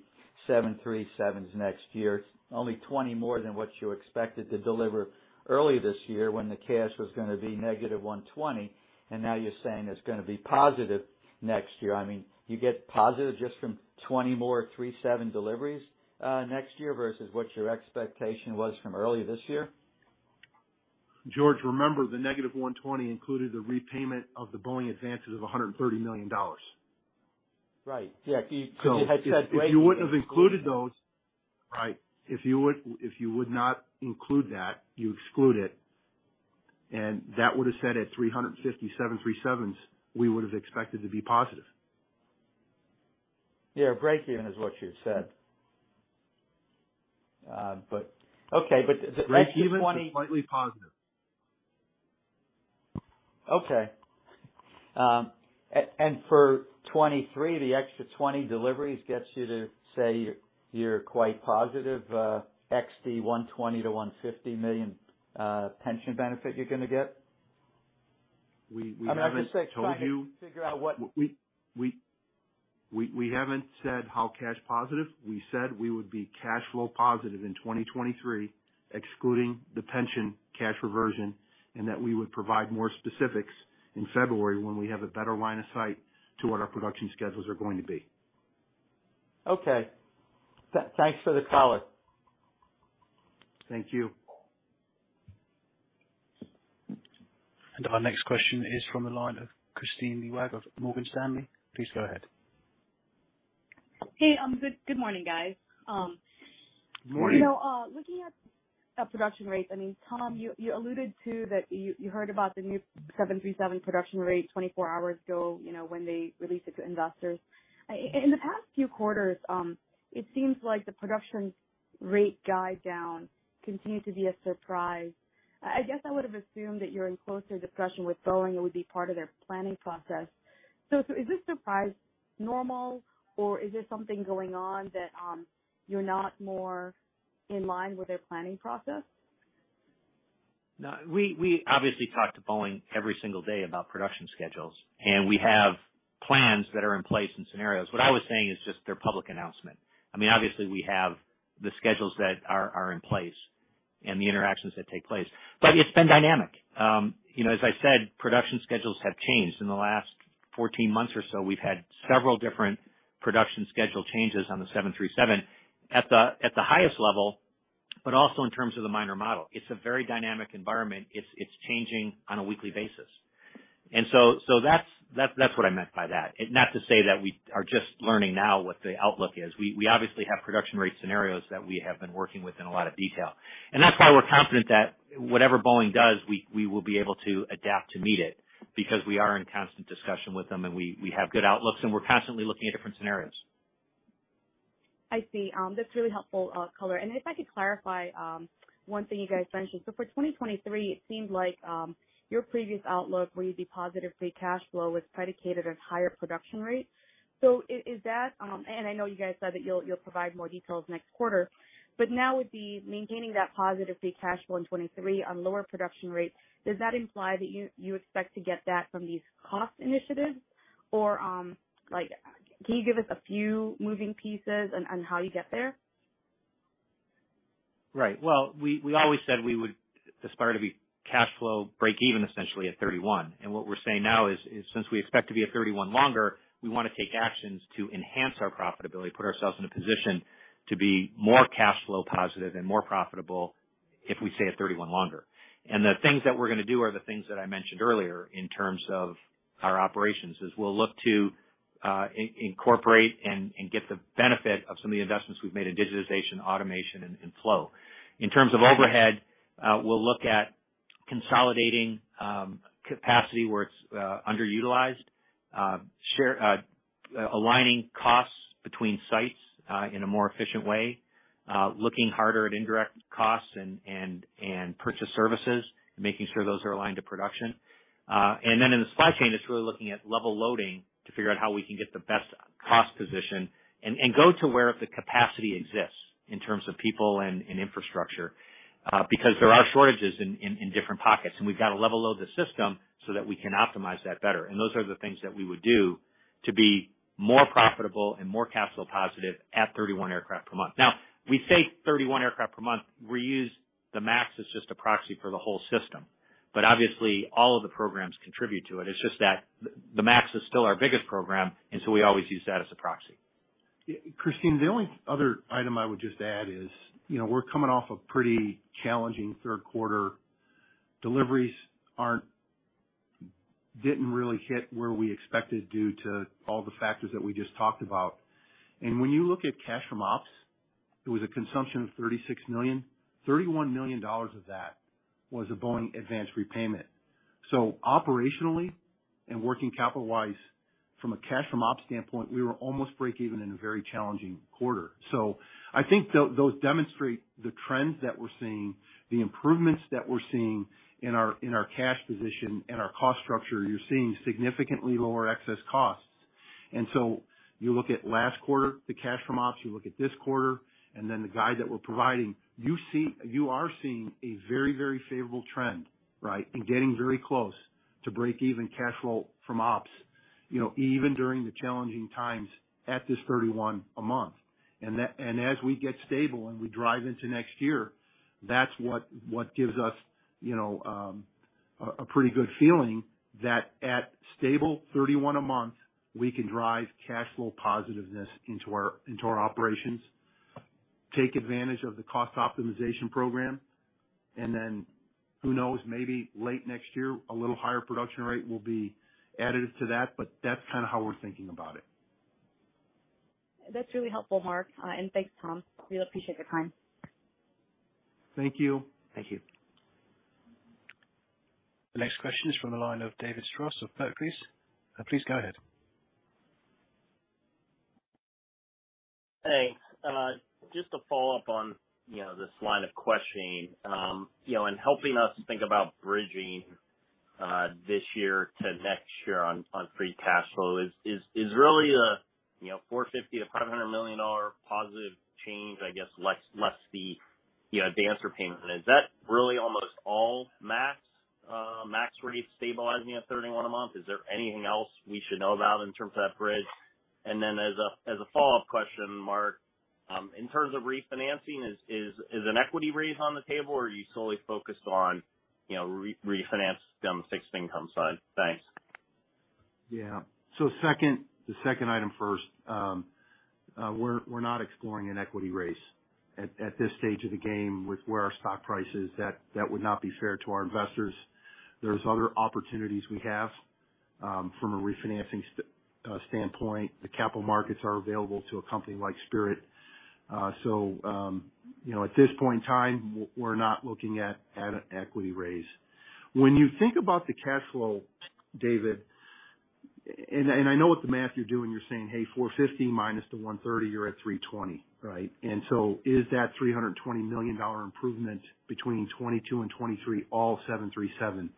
777s next year, only 20 more than what you expected to deliver earlier this year when the cash was gonna be negative $120, and now you're saying it's gonna be positive next year. I mean, you get positive just from 20 more 737 deliveries next year versus what your expectation was from earlier this year? George, remember, the -$120 million included the repayment of the Boeing advances of $130 million. Right. Yeah. You had said breakeven- If you would have included those. If you would not include that, you exclude it, and that would have said at 357 777s, we would have expected to be positive. Yeah, breakeven is what you had said. Breakeven is slightly positive. Okay. For 2023, the extra 20 deliveries gets you to say you're quite positive, add $120 million-$150 million pension benefit you're gonna get? We haven't told you. I'm just saying, trying to figure out what. We haven't said how cash positive. We said we would be cash flow positive in 2023, excluding the pension cash reversion, and that we would provide more specifics in February when we have a better line of sight to what our production schedules are going to be. Okay. Thanks for the color. Thank you. Our next question is from the line of Kristine Liwag of Morgan Stanley. Please go ahead. Hey, good morning, guys. Morning. You know, looking at production rates, I mean, Tom, you alluded to that you heard about the new 737 production rate 24 hours ago, you know, when they released it to investors. In the past few quarters, it seems like the production rate guide down continued to be a surprise. I guess I would have assumed that you're in closer discussion with Boeing, it would be part of their planning process. Is this surprise normal, or is there something going on that you're not more in line with their planning process? No, we obviously talk to Boeing every single day about production schedules, and we have plans that are in place and scenarios. What I was saying is just their public announcement. I mean, obviously we have the schedules that are in place and the interactions that take place. It's been dynamic. You know, as I said, production schedules have changed. In the last 14 months or so, we've had several different production schedule changes on the 737 at the highest level, but also in terms of the model mix. It's a very dynamic environment. It's changing on a weekly basis. That's what I meant by that. It's not to say that we are just learning now what the outlook is. We obviously have production rate scenarios that we have been working with in a lot of detail. That's why we're confident that whatever Boeing does, we will be able to adapt to meet it because we are in constant discussion with them and we have good outlooks and we're constantly looking at different scenarios. I see. That's really helpful color. If I could clarify one thing you guys mentioned. For 2023, it seemed like your previous outlook where you'd be positive free cash flow was predicated on higher production rates. Is that, and I know you guys said that you'll provide more details next quarter, but now with maintaining that positive free cash flow in 2023 on lower production rates, does that imply that you expect to get that from these cost initiatives? Or, like, can you give us a few moving pieces on how you get there? Right. Well, we always said we would aspire to be cash flow break even essentially at 31. What we're saying now is since we expect to be at 31 longer, we wanna take actions to enhance our profitability, put ourselves in a position to be more cash flow positive and more profitable if we stay at 31 longer. The things that we're gonna do are the things that I mentioned earlier in terms of our operations. We'll look to incorporate and get the benefit of some of the investments we've made in digitization, automation, and flow. In terms of overhead, we'll look at consolidating capacity where it's underutilized. Share, aligning costs between sites, in a more efficient way, looking harder at indirect costs and purchase services and making sure those are aligned to production. In the supply chain, it's really looking at level loading to figure out how we can get the best cost position and go to where the capacity exists in terms of people and infrastructure, because there are shortages in different pockets, and we've got to level load the system so that we can optimize that better. Those are the things that we would do to be more profitable and more cash flow positive at 31 aircraft per month. Now, we say 31 aircraft per month. We use the MAX as just a proxy for the whole system, but obviously all of the programs contribute to it. It's just that the MAX is still our biggest program, and so we always use that as a proxy. Kristine, the only other item I would just add is, you know, we're coming off a pretty challenging third quarter. Deliveries didn't really hit where we expected due to all the factors that we just talked about. When you look at cash from ops, it was a consumption of $36 million. $31 million of that was a Boeing advance repayment. Operationally and working capital-wise from a cash from ops standpoint, we were almost break even in a very challenging quarter. I think those demonstrate the trends that we're seeing, the improvements that we're seeing in our cash position and our cost structure. You're seeing significantly lower excess costs. You look at last quarter, the cash from ops, you look at this quarter and then the guide that we're providing, you are seeing a very, very favorable trend, right? Getting very close to break-even cash flow from ops, you know, even during the challenging times at this 31 a month. As we get stable and we drive into next year, that's what gives us, you know, a pretty good feeling that at stable 31 a month, we can drive cash flow positiveness into our operations, take advantage of the cost optimization program, and then who knows, maybe late next year, a little higher production rate will be additive to that. That's kind of how we're thinking about it. That's really helpful, Mark. Thanks, Tom. Really appreciate your time. Thank you. Thank you. The next question is from the line of David Strauss of Barclays. Please go ahead. Thanks. Just to follow up on, you know, this line of questioning. You know, and helping us think about bridging this year to next year on free cash flow. Is really the $450 million-$500 million positive change, I guess, less the, you know, advance repayment. Is that really almost all MAX rate stabilizing at 31 a month? Is there anything else we should know about in terms of that bridge? As a follow-up question, Mark, in terms of refinancing, is an equity raise on the table or are you solely focused on, you know, refinancing on the fixed income side? Thanks. Yeah. Second item first. We're not exploring an equity raise at this stage of the game with where our stock price is, that would not be fair to our investors. There's other opportunities we have from a refinancing standpoint. The capital markets are available to a company like Spirit. You know, at this point in time, we're not looking at an equity raise. When you think about the cash flow, David, and I know what the math you're doing, you're saying, "Hey, $450 minus the $130, you're at $320," right? Is that $320 million improvement between 2022 and 2023, all 737?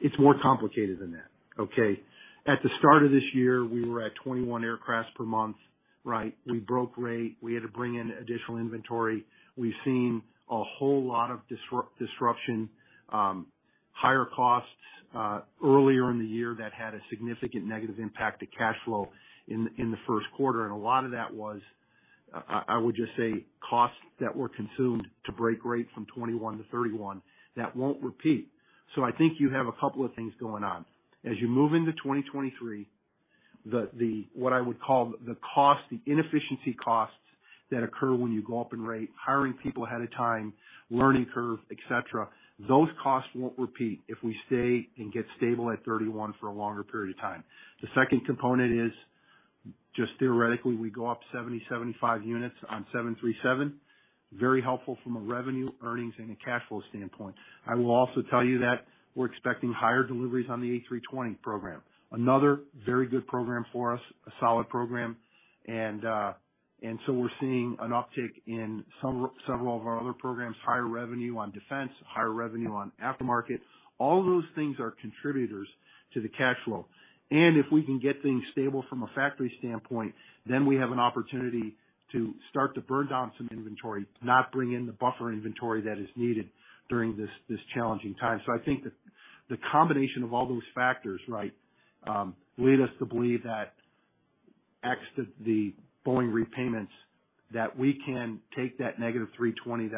It's more complicated than that, okay? At the start of this year, we were at 21 aircraft per month, right? We broke rate, we had to bring in additional inventory. We've seen a whole lot of disruption, higher costs earlier in the year that had a significant negative impact to cash flow in the first quarter. A lot of that was, I would just say costs that were consumed to break rate from 21 to 31 that won't repeat. I think you have a couple of things going on. As you move into 2023, what I would call the cost, the inefficiency costs that occur when you go up in rate, hiring people ahead of time, learning curve, etc. Those costs won't repeat if we stay and get stable at 31 for a longer period of time. The second component is just theoretically, we go up 75 units on 737. Very helpful from a revenue, earnings, and a cash flow standpoint. I will also tell you that we're expecting higher deliveries on the A320 program. Another very good program for us, a solid program. We're seeing an uptick in some several of our other programs, higher revenue on defense, higher revenue on aftermarket. All of those things are contributors to the cash flow. If we can get things stable from a factory standpoint, then we have an opportunity to start to burn down some inventory, not bring in the buffer inventory that is needed during this challenging time. I think that the combination of all those factors, right, leads us to believe that ex the Boeing repayments, that we can take that negative 320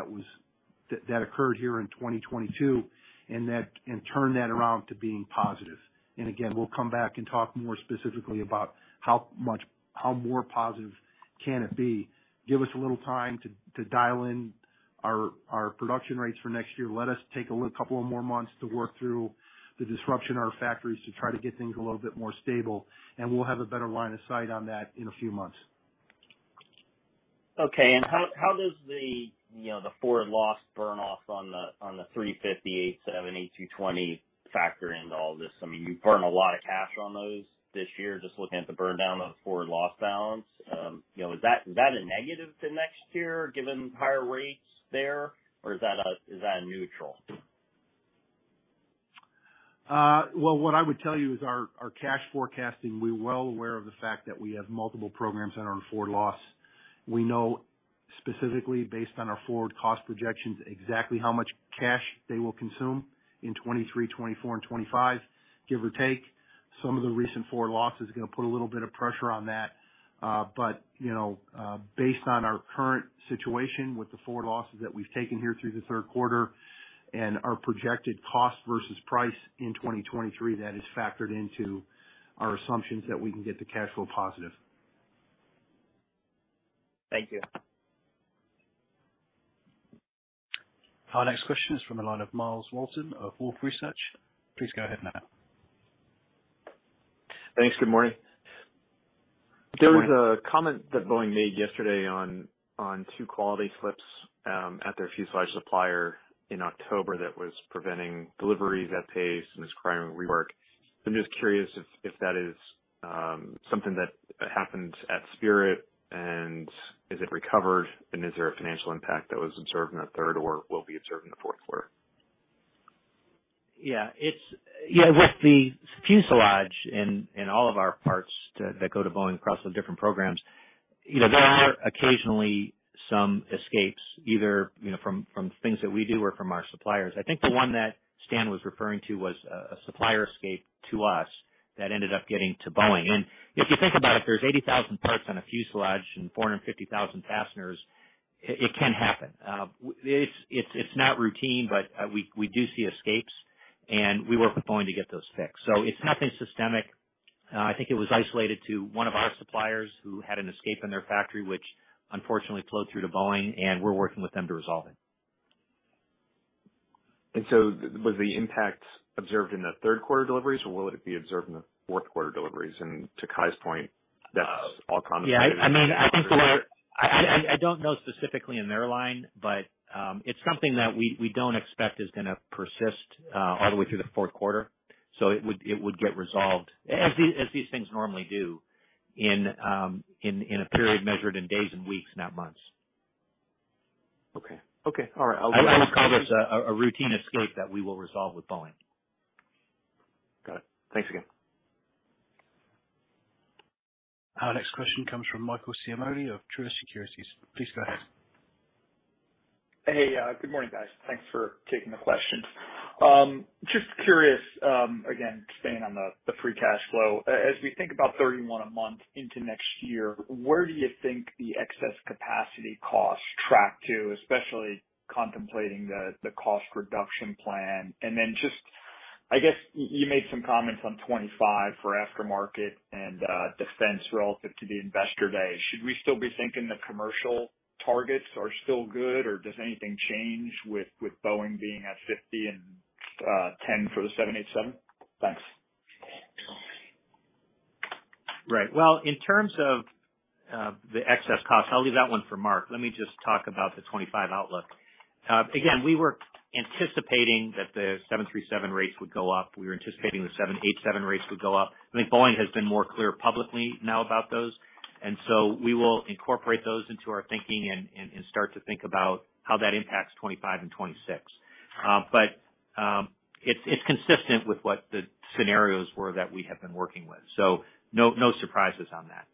that occurred here in 2022 and turn that around to being positive. We'll come back and talk more specifically about how much more positive can it be. Give us a little time to dial in our production rates for next year. Let us take a little couple of more months to work through the disruption in our factories to try to get things a little bit more stable, and we'll have a better line of sight on that in a few months. Okay. How does the forward loss burn off on the A350, 787, A220 factor into all this? I mean, you've burned a lot of cash on those this year. Just looking at the burn down of forward loss balance. Is that a negative to next year given higher rates there? Or is that a neutral? Well, what I would tell you is our cash forecasting. We're well aware of the fact that we have multiple programs that are in forward loss. We know specifically based on our forward cost projections, exactly how much cash they will consume in 2023, 2024 and 2025, give or take. Some of the recent forward loss is gonna put a little bit of pressure on that. You know, based on our current situation with the forward losses that we've taken here through the third quarter and our projected cost versus price in 2023, that is factored into our assumptions that we can get to cash flow positive. Thank you. Our next question is from the line of Myles Walton of Wolfe Research. Please go ahead now. Thanks. Good morning. Good morning. There was a comment that Boeing made yesterday on two quality slips at their fuselage supplier in October that was preventing deliveries at pace and requiring rework. I'm just curious if that is something that happened at Spirit and is it recovered and is there a financial impact that was observed in the third or will be observed in the fourth quarter? Yeah, with the fuselage and all of our parts that go to Boeing across the different programs, you know, there are occasionally some escapes, either you know, from things that we do or from our suppliers. I think the one that Stan was referring to was a supplier escape to us that ended up getting to Boeing. If you think about it, there's 80,000 parts on a fuselage and 450,000 fasteners, it can happen. It's not routine, but we do see escapes, and we work with Boeing to get those fixed. It's nothing systemic. I think it was isolated to one of our suppliers who had an escape in their factory, which unfortunately flowed through to Boeing, and we're working with them to resolve it. Was the impact observed in the third quarter deliveries, or will it be observed in the fourth quarter deliveries? To Cai's point- Yeah, I mean, I think the letter. I don't know specifically in their line, but it's something that we don't expect is gonna persist all the way through the fourth quarter, so it would get resolved as these things normally do in a period measured in days and weeks, not months. Okay, all right. I would call this a routine escape that we will resolve with Boeing. Got it. Thanks again. Our next question comes from Michael Ciarmoli of Truist Securities. Please go ahead. Good morning, guys. Thanks for taking the questions. Just curious, again, staying on the free cash flow. As we think about 31 a month into next year, where do you think the excess capacity costs track to, especially contemplating the cost reduction plan? Just, I guess you made some comments on 25 for aftermarket and defense relative to the Investor Day. Should we still be thinking the commercial targets are still good, or does anything change with Boeing being at 50 and 10 for the 787? Thanks. Right. Well, in terms of the excess cost, I'll leave that one for Mark. Let me just talk about the 25 outlook. Again, we were anticipating that the 737 rates would go up. We were anticipating the 787 rates would go up. I think Boeing has been more clear publicly now about those, and so we will incorporate those into our thinking and start to think about how that impacts 25 and 26. But it's consistent with what the scenarios were that we have been working with. So no surprises on that.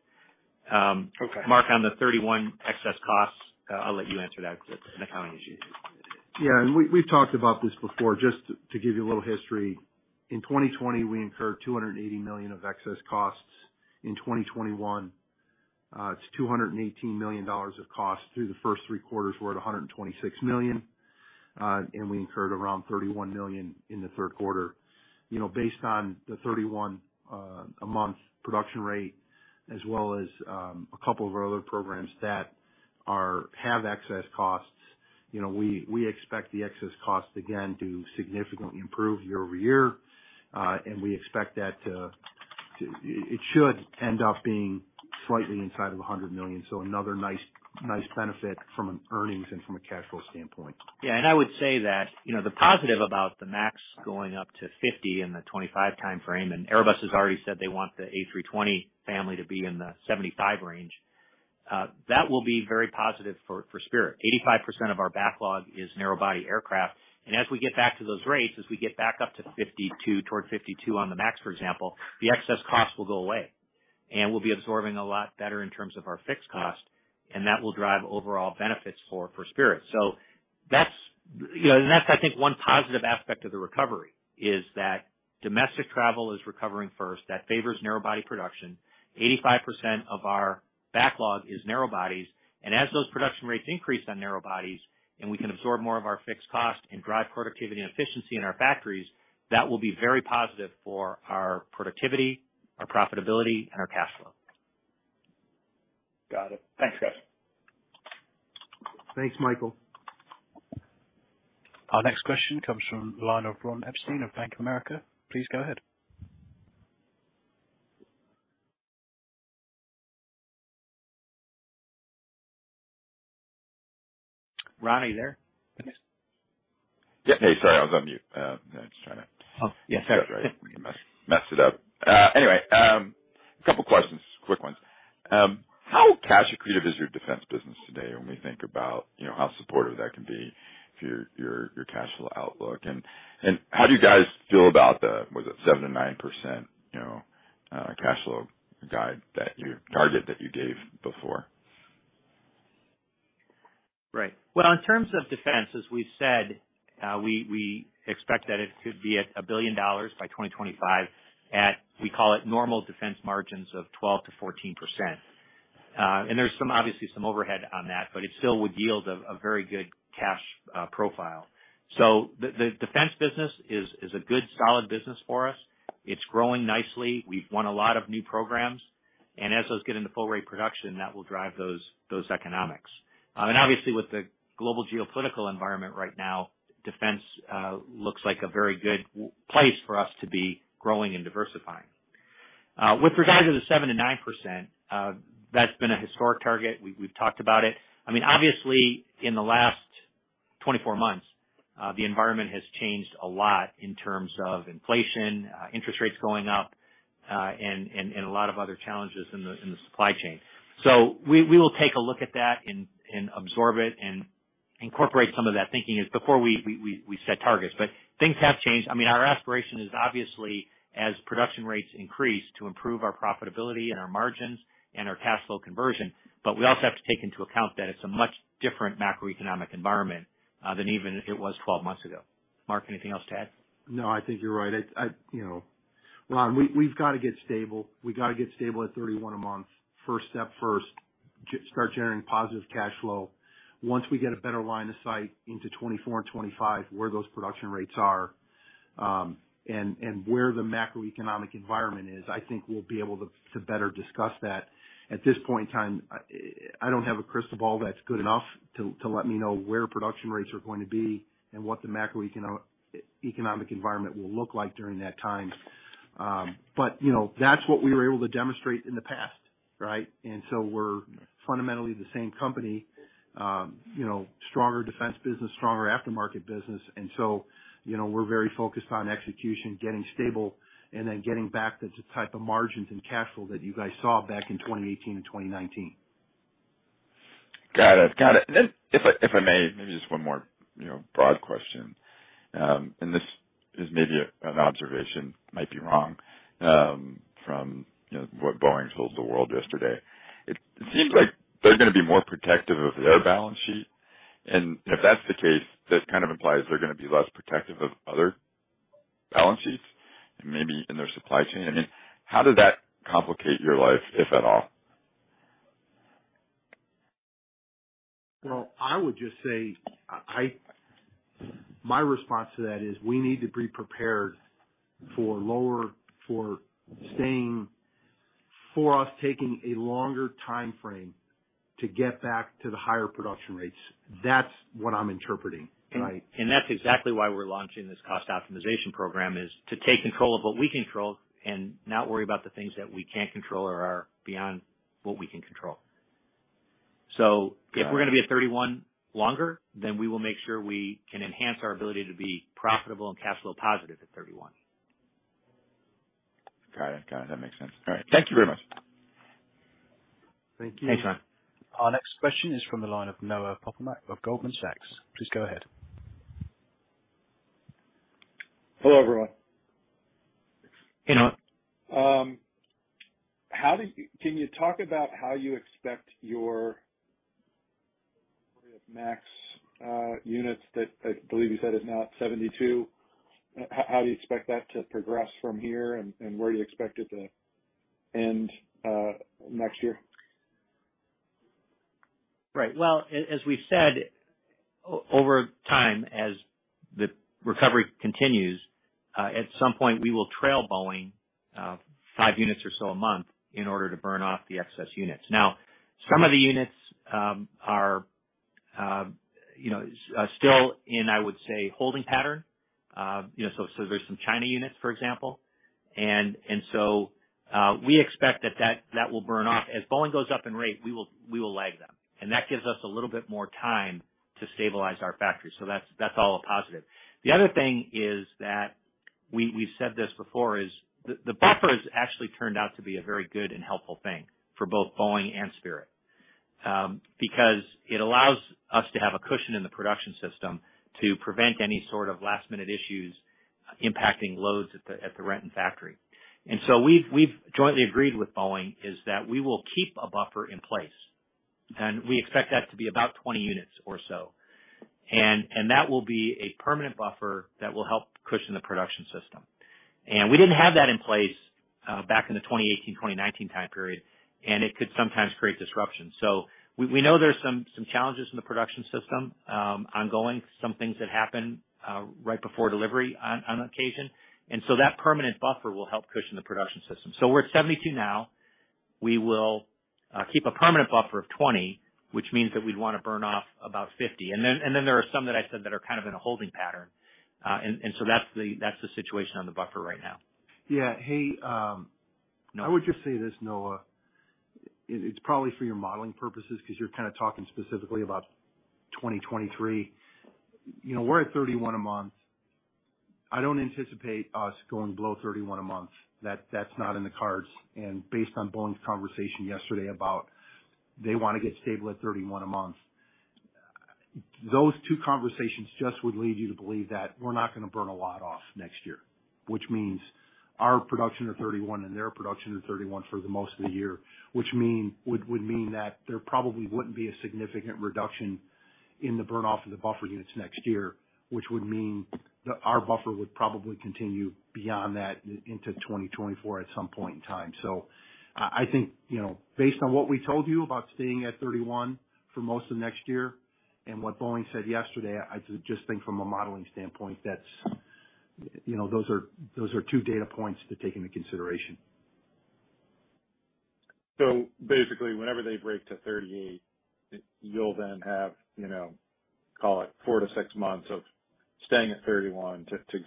Mark, on the $31 excess costs, I'll let you answer that. It's an accounting issue. Yeah. We've talked about this before. Just to give you a little history, in 2020 we incurred $280 million of excess costs. In 2021, it's $218 million of costs. Through the first three quarters, we're at $126 million, and we incurred around $31 million in the third quarter. You know, based on the 31 a month production rate as well as, a couple of our other programs that have excess costs, you know, we expect the excess costs again to significantly improve year-over-year. We expect that to it should end up being slightly inside of $100 million. So another nice benefit from an earnings and from a cash flow standpoint. Yeah. I would say that, you know, the positive about the Max going up to 50 in the 2025 timeframe, and Airbus has already said they want the A320 family to be in the 75 range, that will be very positive for Spirit. 85% of our backlog is narrow body aircraft, and as we get back to those rates, as we get back up to 52, toward 52 on the Max, for example, the excess cost will go away, and we'll be absorbing a lot better in terms of our fixed cost, and that will drive overall benefits for Spirit. So that's, you know, I think, one positive aspect of the recovery, is that domestic travel is recovering first. That favors narrow body production. 85% of our backlog is narrow bodies, and as those production rates increase on narrow bodies, and we can absorb more of our fixed cost and drive productivity and efficiency in our factories, that will be very positive for our productivity, our profitability, and our cash flow. Got it. Thanks, guys. Thanks, Michael. Our next question comes from the line of Ron Epstein of Bank of America. Please go ahead. Ron, are you there? Yes. Yeah. Hey, sorry, I was on mute. Yeah, just trying to. Oh, yes. That's right. Messed it up. Anyway, a couple questions, quick ones. How cash accretive is your defense business today when we think about, you know, how supportive that can be for your cash flow outlook? How do you guys feel about the, was it 7%-9%, you know, cash flow guide that your target that you gave before? Right. Well, in terms of defense, as we've said, we expect that it could be at $1 billion by 2025 at, we call it normal defense margins of 12%-14%. And there's obviously some overhead on that, but it still would yield a very good cash profile. So the defense business is a good solid business for us. It's growing nicely. We've won a lot of new programs, and as those get into full rate production, that will drive those economics. And obviously with the global geopolitical environment right now, defense looks like a very good place for us to be growing and diversifying. With regard to the 7%-9%, that's been a historic target. We've talked about it. I mean, obviously, in the last 24 months, the environment has changed a lot in terms of inflation, interest rates going up, and a lot of other challenges in the supply chain. We will take a look at that and absorb it and incorporate some of that thinking as before we set targets. Things have changed. I mean, our aspiration is obviously as production rates increase, to improve our profitability and our margins and our cash flow conversion. We also have to take into account that it's a much different macroeconomic environment than even it was 12 months ago. Mark, anything else to add? No, I think you're right. You know, Ron, we've got to get stable. We got to get stable at 31 a month. First things first. Start generating positive cash flow. Once we get a better line of sight into 2024 and 2025, where those production rates are, and where the macroeconomic environment is, I think we'll be able to better discuss that. At this point in time, I don't have a crystal ball that's good enough to let me know where production rates are going to be and what the macroeconomic environment will look like during that time. You know, that's what we were able to demonstrate in the past, right? We're fundamentally the same company, you know, stronger defense business, stronger aftermarket business. You know, we're very focused on execution, getting stable, and then getting back to the type of margins and cash flow that you guys saw back in 2018 and 2019. Got it. If I may, maybe just one more, you know, broad question. This is maybe an observation, might be wrong, from, you know, what Boeing told the world yesterday. It seems like they're gonna be more protective of their balance sheet. If that's the case, that kind of implies they're gonna be less protective of other balance sheets and maybe in their supply chain. I mean, how did that complicate your life, if at all? Well, I would just say my response to that is we need to be prepared for us taking a longer timeframe to get back to the higher production rates. That's what I'm interpreting. That's exactly why we're launching this cost optimization program, is to take control of what we control and not worry about the things that we can't control or are beyond what we can control. If we're gonna be at 31 longer, then we will make sure we can enhance our ability to be profitable and cash flow positive at 31. Got it. That makes sense. All right. Thank you very much. Thank you. Thanks, Ron. Our next question is from the line of Noah Poponak of Goldman Sachs. Please go ahead. Hello, everyone. Hey, Noah. Can you talk about how you expect your MAX units that I believe you said is now at 72? How do you expect that to progress from here, and where do you expect it to end next year? Right. Well, as we've said, over time, as the recovery continues, at some point we will trail Boeing five units or so a month in order to burn off the excess units. Now, some of the units are you know still in, I would say, holding pattern. You know, so there's some China units, for example. We expect that will burn off. As Boeing goes up in rate, we will lag them, and that gives us a little bit more time to stabilize our factory. That's all a positive. The other thing is that we said this before, is the buffers actually turned out to be a very good and helpful thing for both Boeing and Spirit, because it allows us to have a cushion in the production system to prevent any sort of last minute issues impacting loads at the Renton factory. We've jointly agreed with Boeing is that we will keep a buffer in place, and we expect that to be about 20 units or so. That will be a permanent buffer that will help cushion the production system. We didn't have that in place, back in the 2018, 2019 time period. It could sometimes create disruption. We know there's some challenges in the production system, ongoing, some things that happen, right before delivery on occasion. That permanent buffer will help cushion the production system. We're at 72 now. We will keep a permanent buffer of 20, which means that we'd wanna burn off about 50. There are some that I said that are kind of in a holding pattern. That's the situation on the buffer right now. Yeah. Hey, I would just say this, Noah. It's probably for your modeling purposes, because you're kind of talking specifically about 2023. You know, we're at 31 a month. I don't anticipate us going below 31 a month. That's not in the cards. Based on Boeing's conversation yesterday about they wanna get stable at 31 a month, those two conversations just would lead you to believe that we're not gonna burn a lot off next year, which means our production of 31 and their production of 31 for the most of the year, which would mean that there probably wouldn't be a significant reduction in the burn off of the buffer units next year, which would mean our buffer would probably continue beyond that into 2024 at some point in time. I think, you know, based on what we told you about staying at 31 for most of next year and what Boeing said yesterday, I just think from a modeling standpoint, that's, you know, those are two data points to take into consideration. Basically, whenever they break to 38, you'll then have, you know, call it 4-6 months of staying at 31 to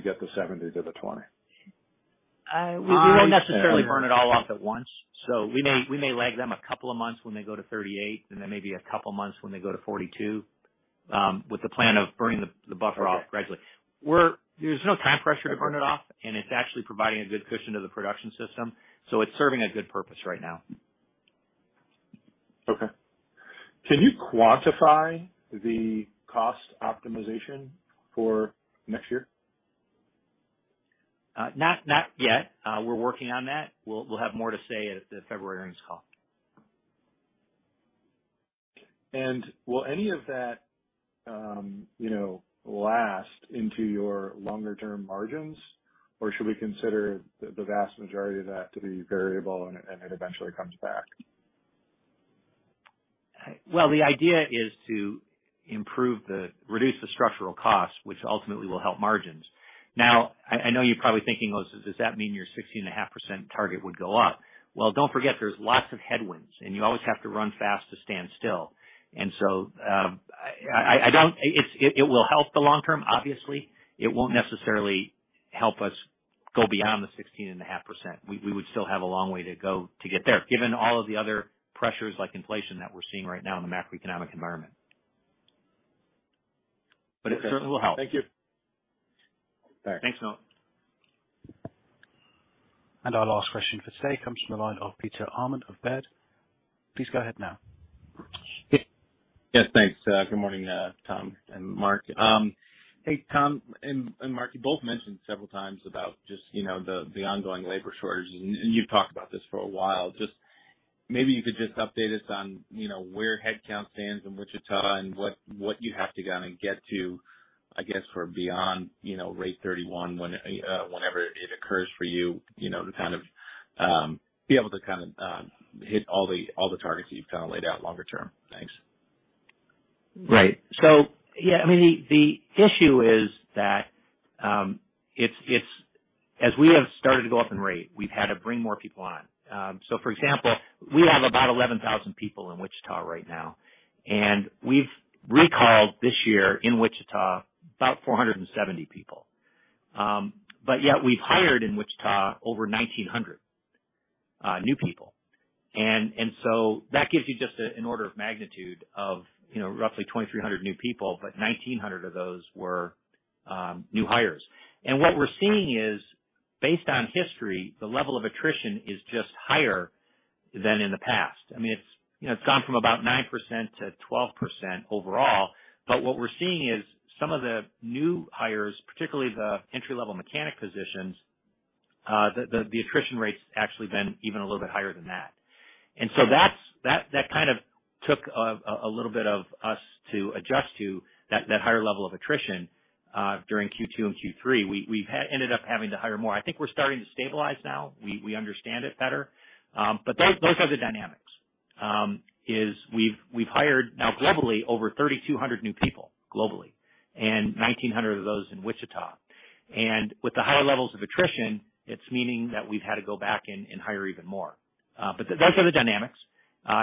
get the 70s or the 20. We won't necessarily burn it all off at once. We may lag them a couple of months when they go to 38, and then maybe a couple months when they go to 42. With the plan of burning the buffer off gradually. There's no time pressure to burn it off, and it's actually providing a good cushion to the production system, so it's serving a good purpose right now. Okay. Can you quantify the cost optimization for next year? Not yet. We're working on that. We'll have more to say at the February earnings call. Will any of that, you know, last into your longer term margins? Or should we consider the vast majority of that to be variable and it eventually comes back? Well, the idea is to reduce the structural costs, which ultimately will help margins. I know you're probably thinking, well, so does that mean your 16.5% target would go up? Well, don't forget there's lots of headwinds, and you always have to run fast to stand still. It will help the long term, obviously. It won't necessarily help us go beyond the 16.5%. We would still have a long way to go to get there, given all of the other pressures like inflation that we're seeing right now in the macroeconomic environment. It certainly will help. Thank you. All right. Thanks, Noah. Our last question for today comes from the line of Peter Arment of Baird. Please go ahead, now. Yes, thanks. Good morning, Tom and Mark. Hey, Tom and Mark, you both mentioned several times about just, you know, the ongoing labor shortage, and you've talked about this for a while. Just maybe you could just update us on, you know, where headcount stands in Wichita and what you have to kind of get to, I guess, for beyond, you know, rate 31 when, whenever it occurs for you know, to kind of be able to kind of hit all the targets that you've kind of laid out longer term. Thanks. Right. Yeah, I mean, the issue is that it's. As we have started to go up in rate, we've had to bring more people on. For example, we have about 11,000 people in Wichita right now, and we've recalled this year in Wichita about 470 people. But yet we've hired in Wichita over 1,900 new people. That gives you just an order of magnitude of, you know, roughly 2,300 new people, but 1,900 of those were new hires. What we're seeing is, based on history, the level of attrition is just higher than in the past. I mean, it's gone from about 9%-12% overall. What we're seeing is some of the new hires, particularly the entry-level mechanic positions, the attrition rate's actually been even a little bit higher than that. That's kind of took a little bit of us to adjust to that higher level of attrition during Q2 and Q3. We've ended up having to hire more. I think we're starting to stabilize now. We understand it better. Those are the dynamics. We've hired now globally over 3,200 new people, globally, and 1,900 of those in Wichita. With the higher levels of attrition, it's meaning that we've had to go back and hire even more. Those are the dynamics.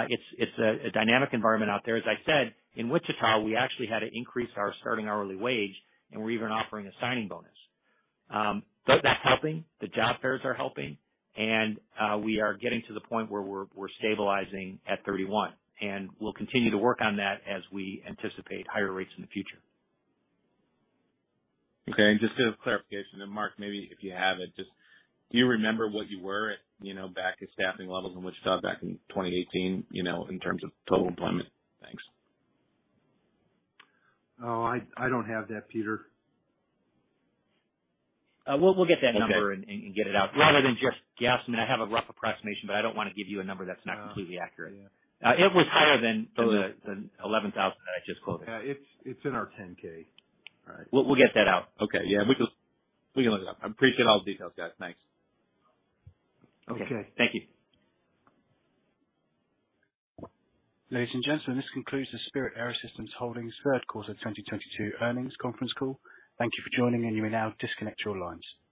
It's a dynamic environment out there. As I said, in Wichita, we actually had to increase our starting hourly wage, and we're even offering a signing bonus. That's helping. The job fairs are helping. We are getting to the point where we're stabilizing at 31, and we'll continue to work on that as we anticipate higher rates in the future. Okay. Just a clarification, and Mark, maybe if you have it, just do you remember what you were at, you know, back at staffing levels in Wichita back in 2018, you know, in terms of total employment? Thanks. Oh, I don't have that, Peter. We'll get that number and get it out rather than just guess. I mean, I have a rough approximation, but I don't wanna give you a number that's not completely accurate. It was higher than the 11,000 that I just quoted. Yeah, it's in our 10-K. We'll get that out. Okay. Yeah, we can, we can look it up. I appreciate all the details, guys. Thanks. Okay. Thank you. Ladies and gentlemen, this concludes the Spirit AeroSystems Holdings third quarter 2022 earnings conference call. Thank you for joining, and you may now disconnect your lines.